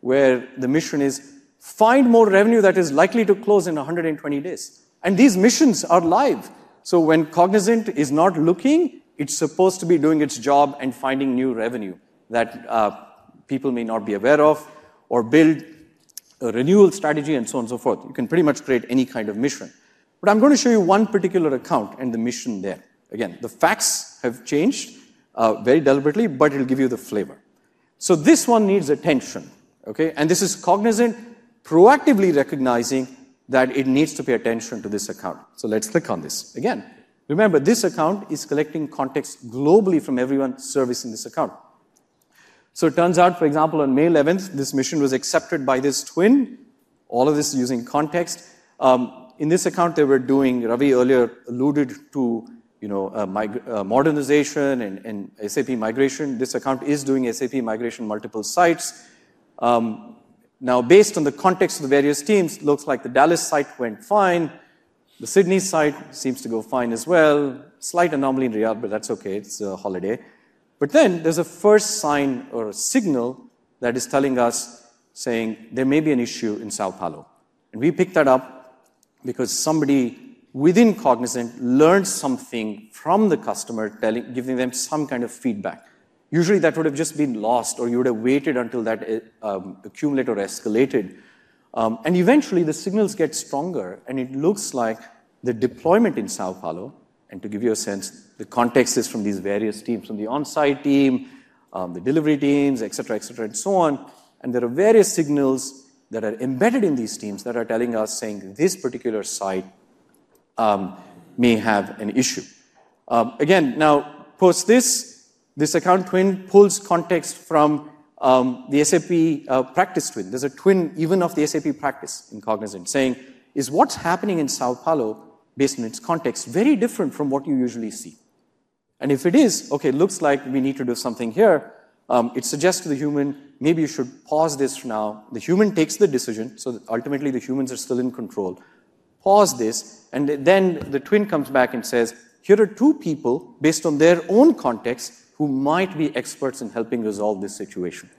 where the mission is find more revenue that is likely to close in 120 days. These missions are live. When Cognizant is not looking, it's supposed to be doing its job and finding new revenue that people may not be aware of or build a renewal strategy, and so on and so forth. You can pretty much create any kind of mission. I'm going to show you one particular account and the mission there. The facts have changed very deliberately, but it'll give you the flavor. This one needs attention, okay? This is Cognizant proactively recognizing that it needs to pay attention to this account. Let's click on this. Again, remember, this account is collecting context globally from everyone servicing this account. It turns out, for example, on May 11th, this mission was accepted by this twin, all of this using context. In this account, they were doing, Ravi earlier alluded to modernization and SAP migration. This account is doing SAP migration, multiple sites. Based on the context of the various teams, looks like the Dallas site went fine. The Sydney site seems to go fine as well. Slight anomaly in Riyadh, that's okay, it's a holiday. There's a first sign or a signal that is telling us, saying there may be an issue in São Paulo. We picked that up because somebody within Cognizant learned something from the customer, giving them some kind of feedback. Usually that would have just been lost, or you would have waited until that accumulated or escalated. Eventually, the signals get stronger, and it looks like the deployment in São Paulo, to give you a sense, the context is from these various teams, from the on-site team, the delivery teams, et cetera, and so on. There are various signals that are embedded in these teams that are telling us, saying this particular site may have an issue. Again, now post this account twin pulls context from the SAP practice twin. There's a twin even of the SAP practice in Cognizant saying, is what's happening in São Paulo based on its context very different from what you usually see? If it is, okay, looks like we need to do something here. It suggests to the human, maybe you should pause this for now. The human takes the decision, so ultimately the humans are still in control. Pause this, then the twin comes back and says, "Here are two people, based on their own context, who might be experts in helping resolve this situation."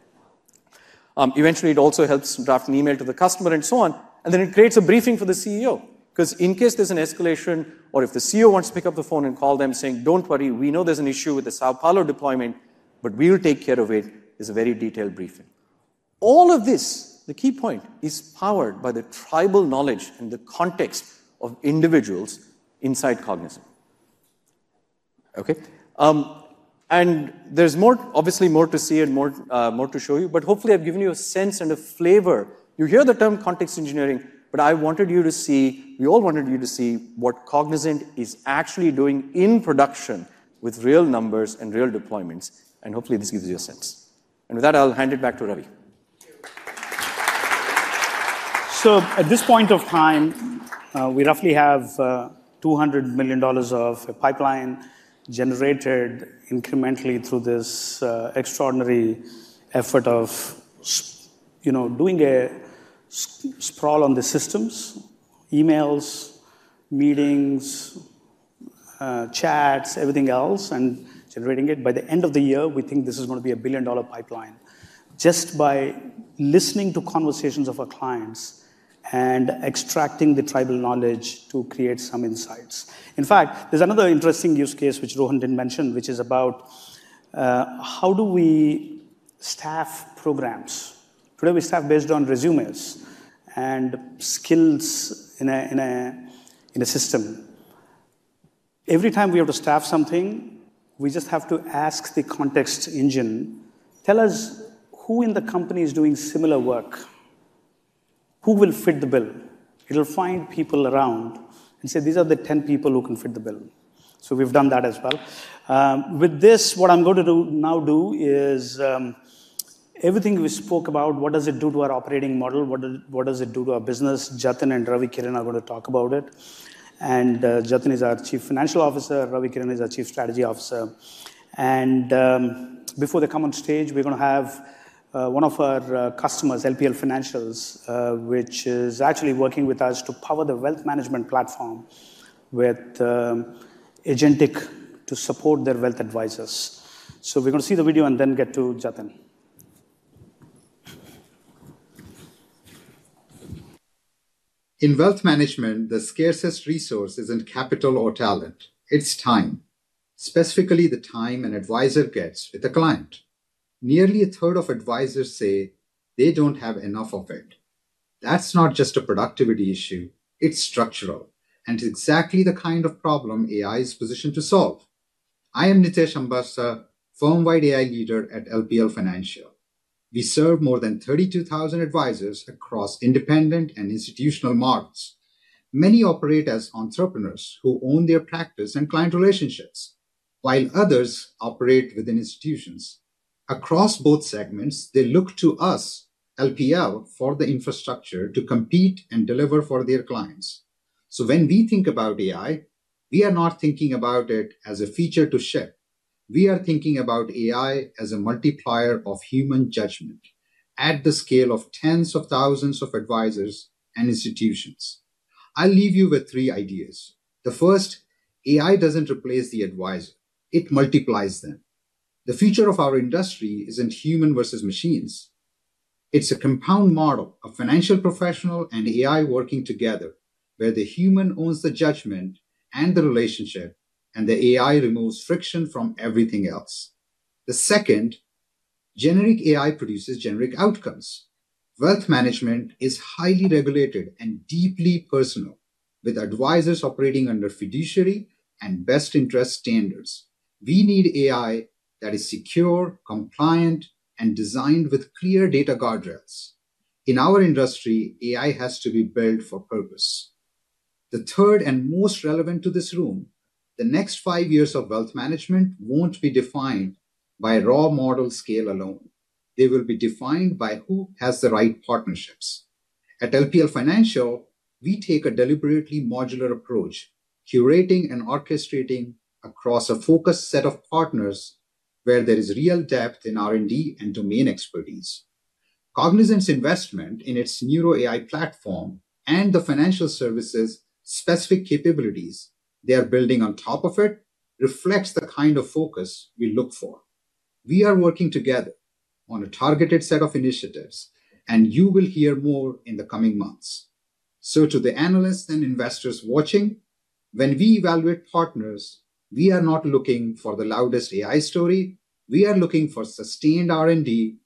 Eventually, it also helps draft an email to the customer and so on. Then it creates a briefing for the CEO, because in case there's an escalation or if the CEO wants to pick up the phone and call them saying, "Don't worry, we know there's an issue with the São Paulo deployment, but we will take care of it," is a very detailed briefing. All of this, the key point, is powered by the tribal knowledge and the context of individuals inside Cognizant. Okay. There's obviously more to see and more to show you, but hopefully I've given you a sense and a flavor. You hear the term context engineering, but I wanted you to see, we all wanted you to see what Cognizant is actually doing in production with real numbers and real deployments. Hopefully, this gives you a sense. With that, I'll hand it back to Ravi. At this point of time, we roughly have $200 million of pipeline generated incrementally through this extraordinary effort of doing a sprawl on the systems, emails, meetings, chats, everything else, and generating it. By the end of the year, we think this is going to be a billion-dollar pipeline just by listening to conversations of our clients and extracting the tribal knowledge to create some insights. In fact, there's another interesting use case which Rohan didn't mention, which is about how do we staff programs? Today, we staff based on resumes and skills in a system. Every time we have to staff something, we just have to ask the context engine, tell us who in the company is doing similar work? Who will fit the bill? It'll find people around and say, these are the 10 people who can fit the bill. We've done that as well. With this, what I'm going to now do is, everything we spoke about, what does it do to our operating model? What does it do to our business? Jatin and Ravi Kiran are going to talk about it. Jatin is our Chief Financial Officer. Ravi Kiran is our Chief Strategy Officer. Before they come on stage, we're going to have one of our customers, LPL Financial, which is actually working with us to power the wealth management platform with agentic to support their wealth advisors. We're going to see the video and then get to Jatin. In wealth management, the scarcest resource isn't capital or talent, it's time. Specifically, the time an advisor gets with a client. Nearly a third of advisors say they don't have enough of it. That's not just a productivity issue, it's structural and exactly the kind of problem AI is positioned to solve. I am Nitesh Ambastha, firm-wide AI leader at LPL Financial. We serve more than 32,000 advisors across independent and institutional models. Many operate as entrepreneurs who own their practice and client relationships, while others operate within institutions. Across both segments, they look to us, LPL, for the infrastructure to compete and deliver for their clients. When we think about AI, we are not thinking about it as a feature to ship. We are thinking about AI as a multiplier of human judgment at the scale of tens of thousands of advisors and institutions. I'll leave you with three ideas. The first, AI doesn't replace the advisor, it multiplies them. The future of our industry isn't human versus machines. It's a compound model of financial professional and AI working together, where the human owns the judgment and the relationship, and the AI removes friction from everything else. The second, generic AI produces generic outcomes. Wealth management is highly regulated and deeply personal, with advisors operating under fiduciary and best interest standards. We need AI that is secure, compliant, and designed with clear data guardrails. In our industry, AI has to be built for purpose. The third, and most relevant to this room, the next five years of wealth management won't be defined by raw model scale alone. They will be defined by who has the right partnerships. At LPL Financial, we take a deliberately modular approach, curating and orchestrating across a focused set of partners where there is real depth in R&D and domain expertise. Cognizant's investment in its Cognizant Neuro AI and the financial services-specific capabilities they are building on top of it reflects the kind of focus we look for. We are working together on a targeted set of initiatives, and you will hear more in the coming months. To the analysts and investors watching, when we evaluate partners, we are not looking for the loudest AI story. We are looking for sustained R&D,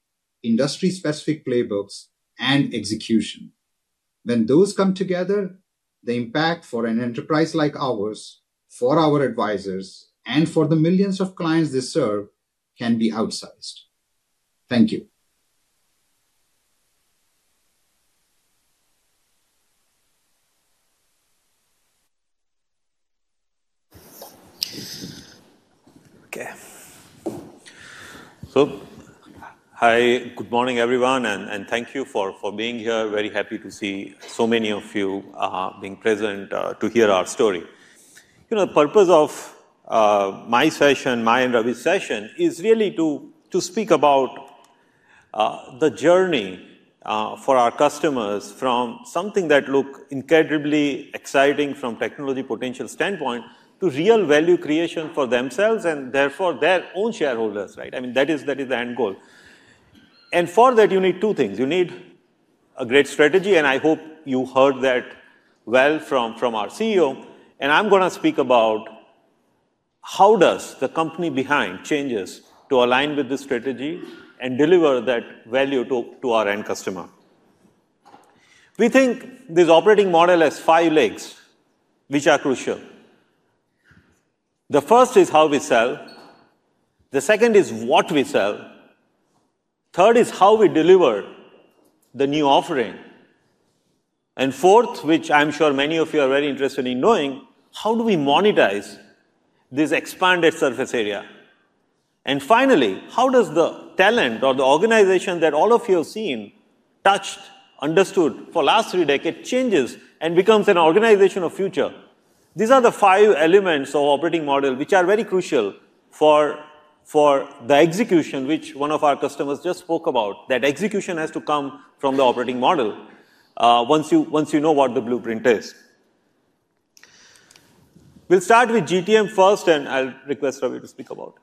industry-specific playbooks, and execution. When those come together, the impact for an enterprise like ours, for our advisors, and for the millions of clients they serve can be outsized. Thank you. Okay. Hi. Good morning, everyone, and thank you for being here. Very happy to see so many of you being present to hear our story. The purpose of my session, mine and Ravi's session, is really to speak about the journey for our customers from something that look incredibly exciting from technology potential standpoint to real value creation for themselves and therefore their own shareholders, right? That is the end goal. For that, you need two things. You need a great strategy, and I hope you heard that well from our CEO, and I'm going to speak about how does the company behind changes to align with this strategy and deliver that value to our end customer. We think this operating model has five legs which are crucial. The first is how we sell. The second is what we sell. Third is how we deliver the new offering. Fourth, which I'm sure many of you are very interested in knowing, how do we monetize this expanded surface area? Finally, how does the talent or the organization that all of you have seen, touched, understood for last three decad changes and becomes an organization of future? These are the five elements of operating model which are very crucial for the execution, which one of our customers just spoke about, that execution has to come from the operating model once you know what the blueprint is. We'll start with GTM first, and I'll request Ravi to speak about.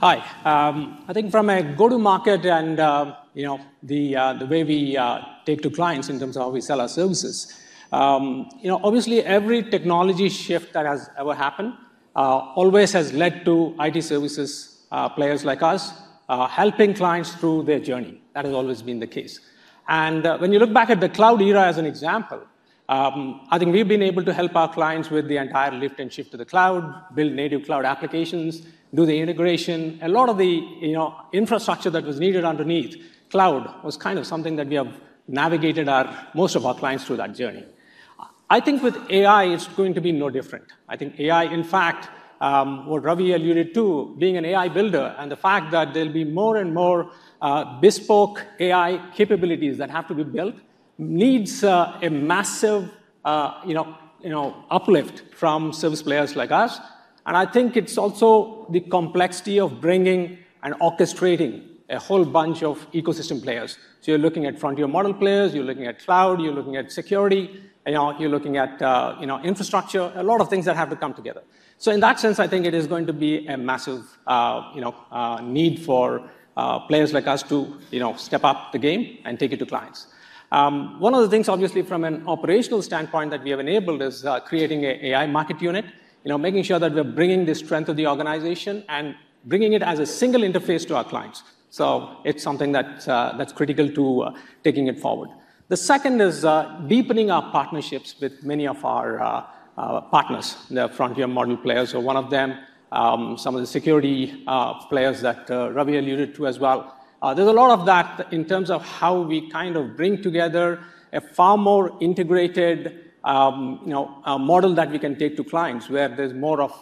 Hi. I think from a go-to-market and the way we take to clients in terms of how we sell our services. Obviously, every technology shift that has ever happened always has led to IT services players like us helping clients through their journey. That has always been the case. When you look back at the cloud era as an example, I think we've been able to help our clients with the entire lift and shift to the cloud, build native cloud applications, do the integration. A lot of the infrastructure that was needed underneath cloud was kind of something that we have navigated most of our clients through that journey. I think with AI, it's going to be no different. I think AI, in fact, what Ravi alluded to, being an AI builder and the fact that there'll be more and more bespoke AI capabilities that have to be built needs a massive uplift from service players like us. I think it's also the complexity of bringing and orchestrating a whole bunch of ecosystem players. You're looking at frontier model players, you're looking at cloud, you're looking at security, you're looking at infrastructure. A lot of things that have to come together. In that sense, I think it is going to be a massive need for players like us to step up the game and take it to clients. One of the things, obviously, from an operational standpoint that we have enabled is creating a AI Market Unit. Making sure that we're bringing the strength of the organization and bringing it as a single interface to our clients. It's something that's critical to taking it forward. The second is deepening our partnerships with many of our partners. The frontier model players are one of them, some of the security players that Ravi alluded to as well. There's a lot of that in terms of how we kind of bring together a far more integrated model that we can take to clients where there's more of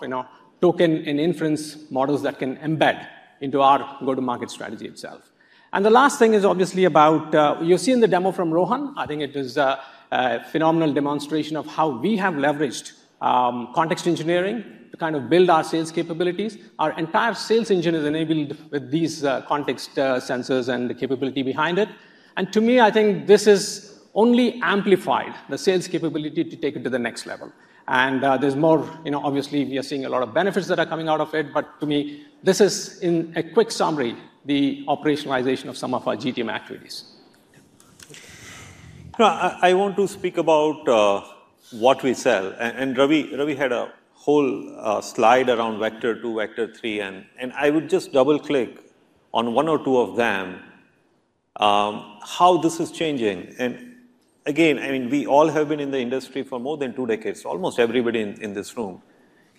token and inference models that can embed into our go-to-market strategy itself. The last thing is obviously about, you've seen the demo from Rohan. I think it is a phenomenal demonstration of how we have leveraged context engineering to kind of build our sales capabilities. Our entire sales engine is enabled with these context sensors and the capability behind it. To me, I think this has only amplified the sales capability to take it to the next level. There's more, obviously, we are seeing a lot of benefits that are coming out of it, but to me, this is in a quick summary, the operationalization of some of our GTM activities. I want to speak about what we sell. Ravi had a whole slide around vector two, vector three, I would just double-click on one or two of them, how this is changing. Again, we all have been in the industry for more than two decades, almost everybody in this room.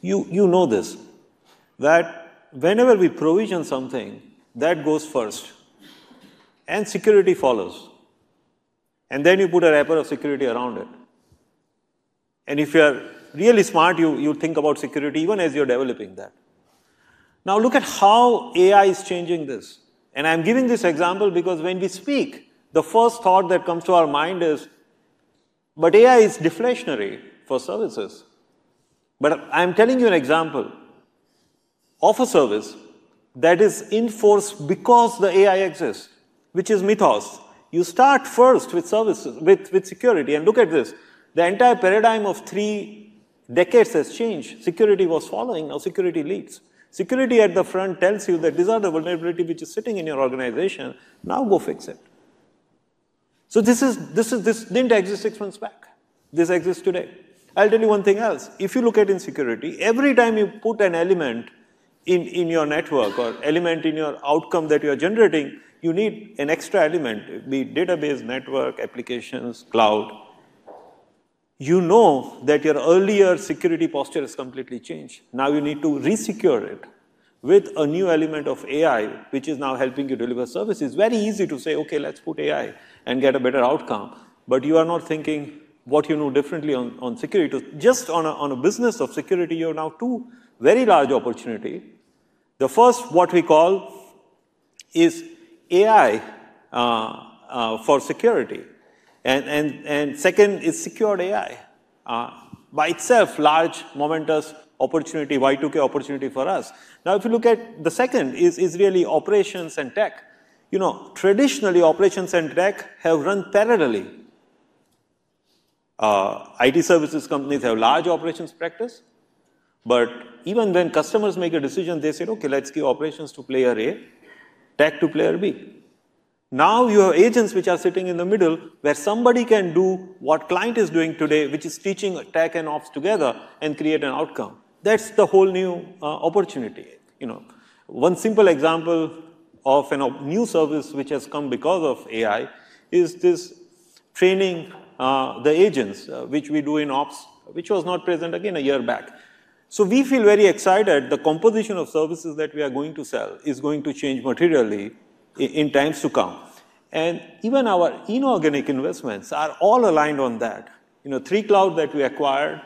You know this, that whenever we provision something, that goes first, security follows, then you put a wrapper of security around it. If you're really smart, you think about security even as you're developing that. Now, look at how AI is changing this. I'm giving this example because when we speak, the first thought that comes to our mind is, AI is deflationary for services. I'm telling you an example of a service that is in force because the AI exists, which is Mythos. You start first with security. Look at this. The entire paradigm of three decades has changed. Security was following, now security leads. Security at the front tells you that these are the vulnerabilities which are sitting in your organization, now go fix it. This didn't exist six months back. This exists today. I'll tell you one thing else. If you look at security, every time you put an element in your network or element in your outcome that you're generating, you need an extra element. Be it database, network, applications, cloud. You know that your earlier security posture has completely changed. Now you need to re-secure it with a new element of AI, which is now helping you deliver services. Very easy to say, "Okay, let's put AI and get a better outcome." You are not thinking what you know differently on security. Just on a business of security, you are now two very large opportunity. The first, what we call, is AI for security. Second is secured AI. By itself, large, momentous opportunity, Y2K opportunity for us. If you look at the second is really operations and tech. Traditionally, operations and tech have run parallelly. IT services companies have large operations practice. Even when customers make a decision, they said, "Okay, let's give operations to player A, tech to player B." You have agents which are sitting in the middle where somebody can do what client is doing today, which is teaching tech and ops together and create an outcome. That's the whole new opportunity. One simple example of a new service which has come because of AI is this training the agents, which we do in ops, which was not present again a year back. We feel very excited. The composition of services that we are going to sell is going to change materially in times to come. Even our inorganic investments are all aligned on that. 3Cloud that we acquired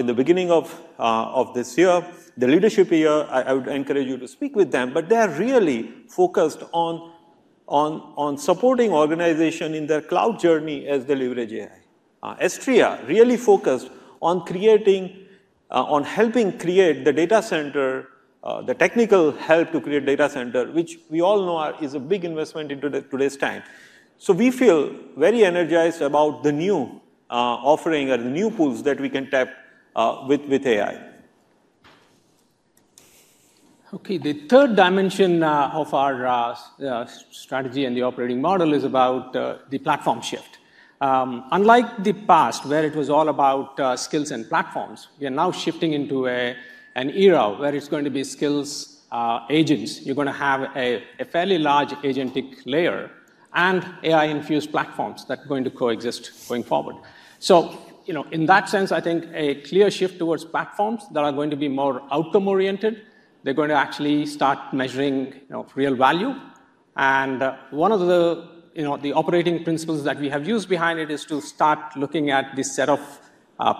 in the beginning of this year. The leadership here, I would encourage you to speak with them, but they are really focused on supporting organization in their cloud journey as they leverage AI. Astreya really focused on helping create the technical help to create data center, which we all know is a big investment into today's time. We feel very energized about the new offering or the new pools that we can tap with AI. The third dimension of our strategy and the operating model is about the platform shift. Unlike the past, where it was all about skills and platforms, we are now shifting into an era where it's going to be skills agents. You're going to have a fairly large agentic layer and AI-infused platforms that are going to coexist going forward. In that sense, I think a clear shift towards platforms that are going to be more outcome-oriented. They're going to actually start measuring real value. One of the operating principles that we have used behind it is to start looking at the set of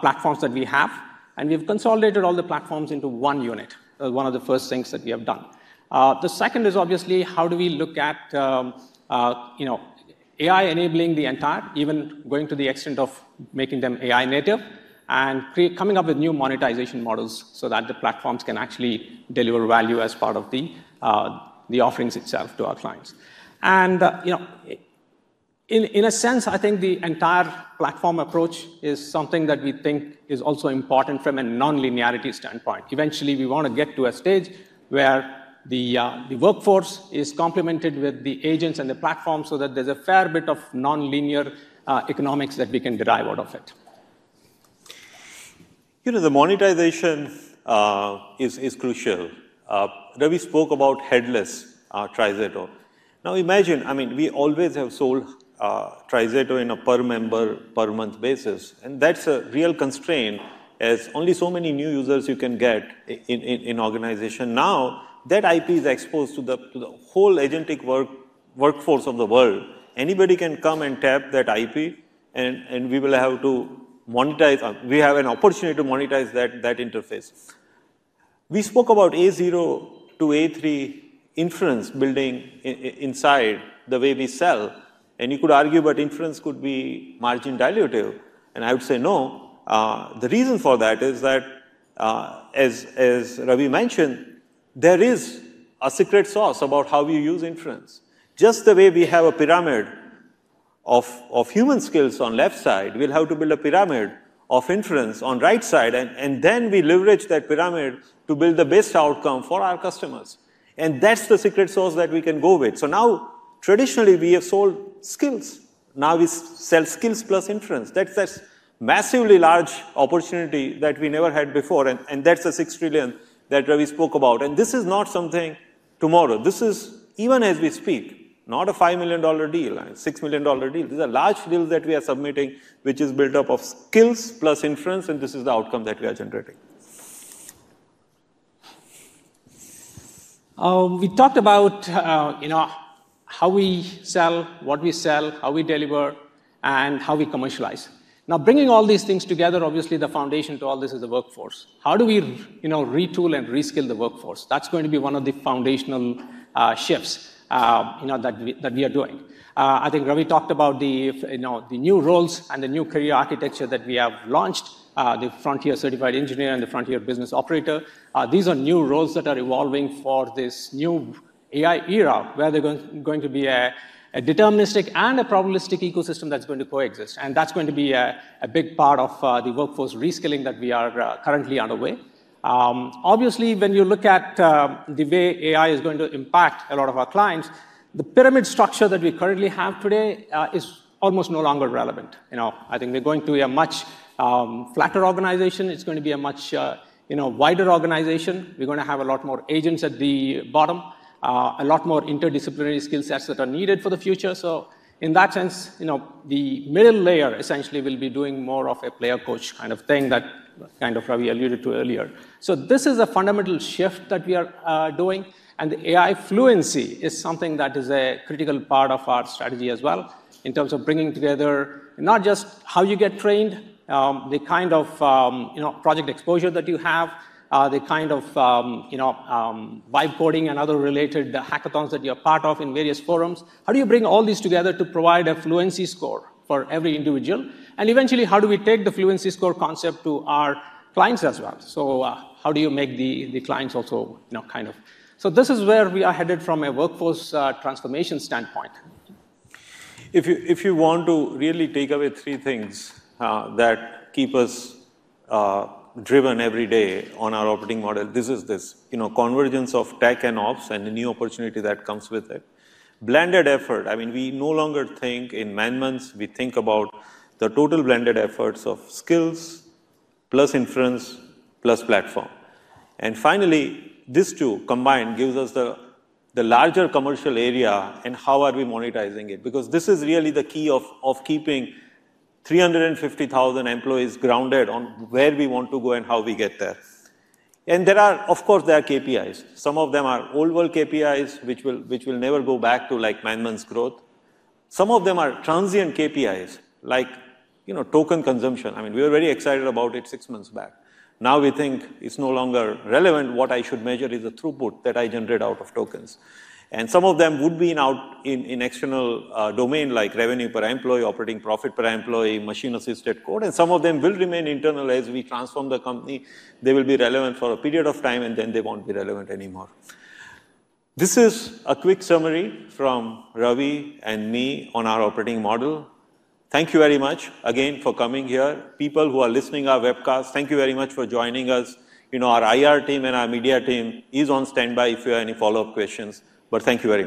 platforms that we have, and we've consolidated all the platforms into one unit, one of the first things that we have done. The second is obviously how do we look at AI enabling the entire, even going to the extent of making them AI native, and coming up with new monetization models so that the platforms can actually deliver value as part of the offerings itself to our clients. In a sense, I think the entire platform approach is something that we think is also important from a non-linearity standpoint. Eventually, we want to get to a stage where the workforce is complemented with the agents and the platform so that there's a fair bit of non-linear economics that we can derive out of it. The monetization is crucial. Ravi spoke about headless TriZetto. Imagine, we always have sold TriZetto in a per member per month basis, that's a real constraint as only so many new users you can get in organization. That IP is exposed to the whole agentic workforce of the world. Anybody can come and tap that IP, we have an opportunity to monetize that interface. We spoke about A0 to A3 inference building inside the way we sell, you could argue that inference could be margin dilutive, I would say no. The reason for that is that, as Ravi mentioned, there is a secret sauce about how we use inference. Just the way we have a pyramid of human skills on left side, we'll have to build a pyramid of inference on right side, and then we leverage that pyramid to build the best outcome for our customers. That's the secret sauce that we can go with. Now, traditionally, we have sold skills. Now we sell skills plus inference. That's massively large opportunity that we never had before, and that's the $6 trillion that Ravi spoke about. This is not something tomorrow. This is, even as we speak, not a $5 million deal, a $6 million deal. These are large deals that we are submitting, which is built up of skills plus inference, and this is the outcome that we are generating. We talked about how we sell, what we sell, how we deliver, and how we commercialize. Bringing all these things together, obviously the foundation to all this is the workforce. How do we retool and reskill the workforce? That's going to be one of the foundational shifts that we are doing. I think Ravi talked about the new roles and the new career architecture that we have launched, the Frontier Certified Engineer and the Frontier Business Operator. These are new roles that are evolving for this new AI era where there are going to be a deterministic and a probabilistic ecosystem that's going to coexist, and that's going to be a big part of the workforce reskilling that we are currently underway. When you look at the way AI is going to impact a lot of our clients, the pyramid structure that we currently have today is almost no longer relevant. I think we're going to a much flatter organization. It's going to be a much wider organization. We're going to have a lot more agents at the bottom, a lot more interdisciplinary skill sets that are needed for the future. In that sense, the middle layer essentially will be doing more of a player-coach kind of thing that Ravi alluded to earlier. This is a fundamental shift that we are doing, and AI Fluency is something that is a critical part of our strategy as well in terms of bringing together not just how you get trained, the kind of project exposure that you have, the kind of Vibe Coding and other related hackathons that you're part of in various forums. How do you bring all these together to provide a fluency score for every individual? Eventually, how do we take the fluency score concept to our clients as well? This is where we are headed from a workforce transformation standpoint. If you want to really take away three things that keep us driven every day on our operating model, this is this. Convergence of tech and ops and the new opportunity that comes with it. Blended effort. We no longer think in man-months. We think about the total blended efforts of skills plus inference plus platform. Finally, these two combined gives us the larger commercial area and how are we monetizing it, because this is really the key of keeping 350,000 employees grounded on where we want to go and how we get there. There are, of course, there are KPIs. Some of them are old world KPIs, which will never go back to man-months growth. Some of them are transient KPIs, like token consumption. We were very excited about it six months back. Now we think it's no longer relevant. What I should measure is the throughput that I generate out of tokens. Some of them would be now in external domain like revenue per employee, operating profit per employee, machine-assisted code, and some of them will remain internal as we transform the company. They will be relevant for a period of time, and then they won't be relevant anymore. This is a quick summary from Ravi and me on our operating model. Thank you very much again for coming here. People who are listening our webcast, thank you very much for joining us. Our IR team and our media team is on standby if you have any follow-up questions, but thank you very much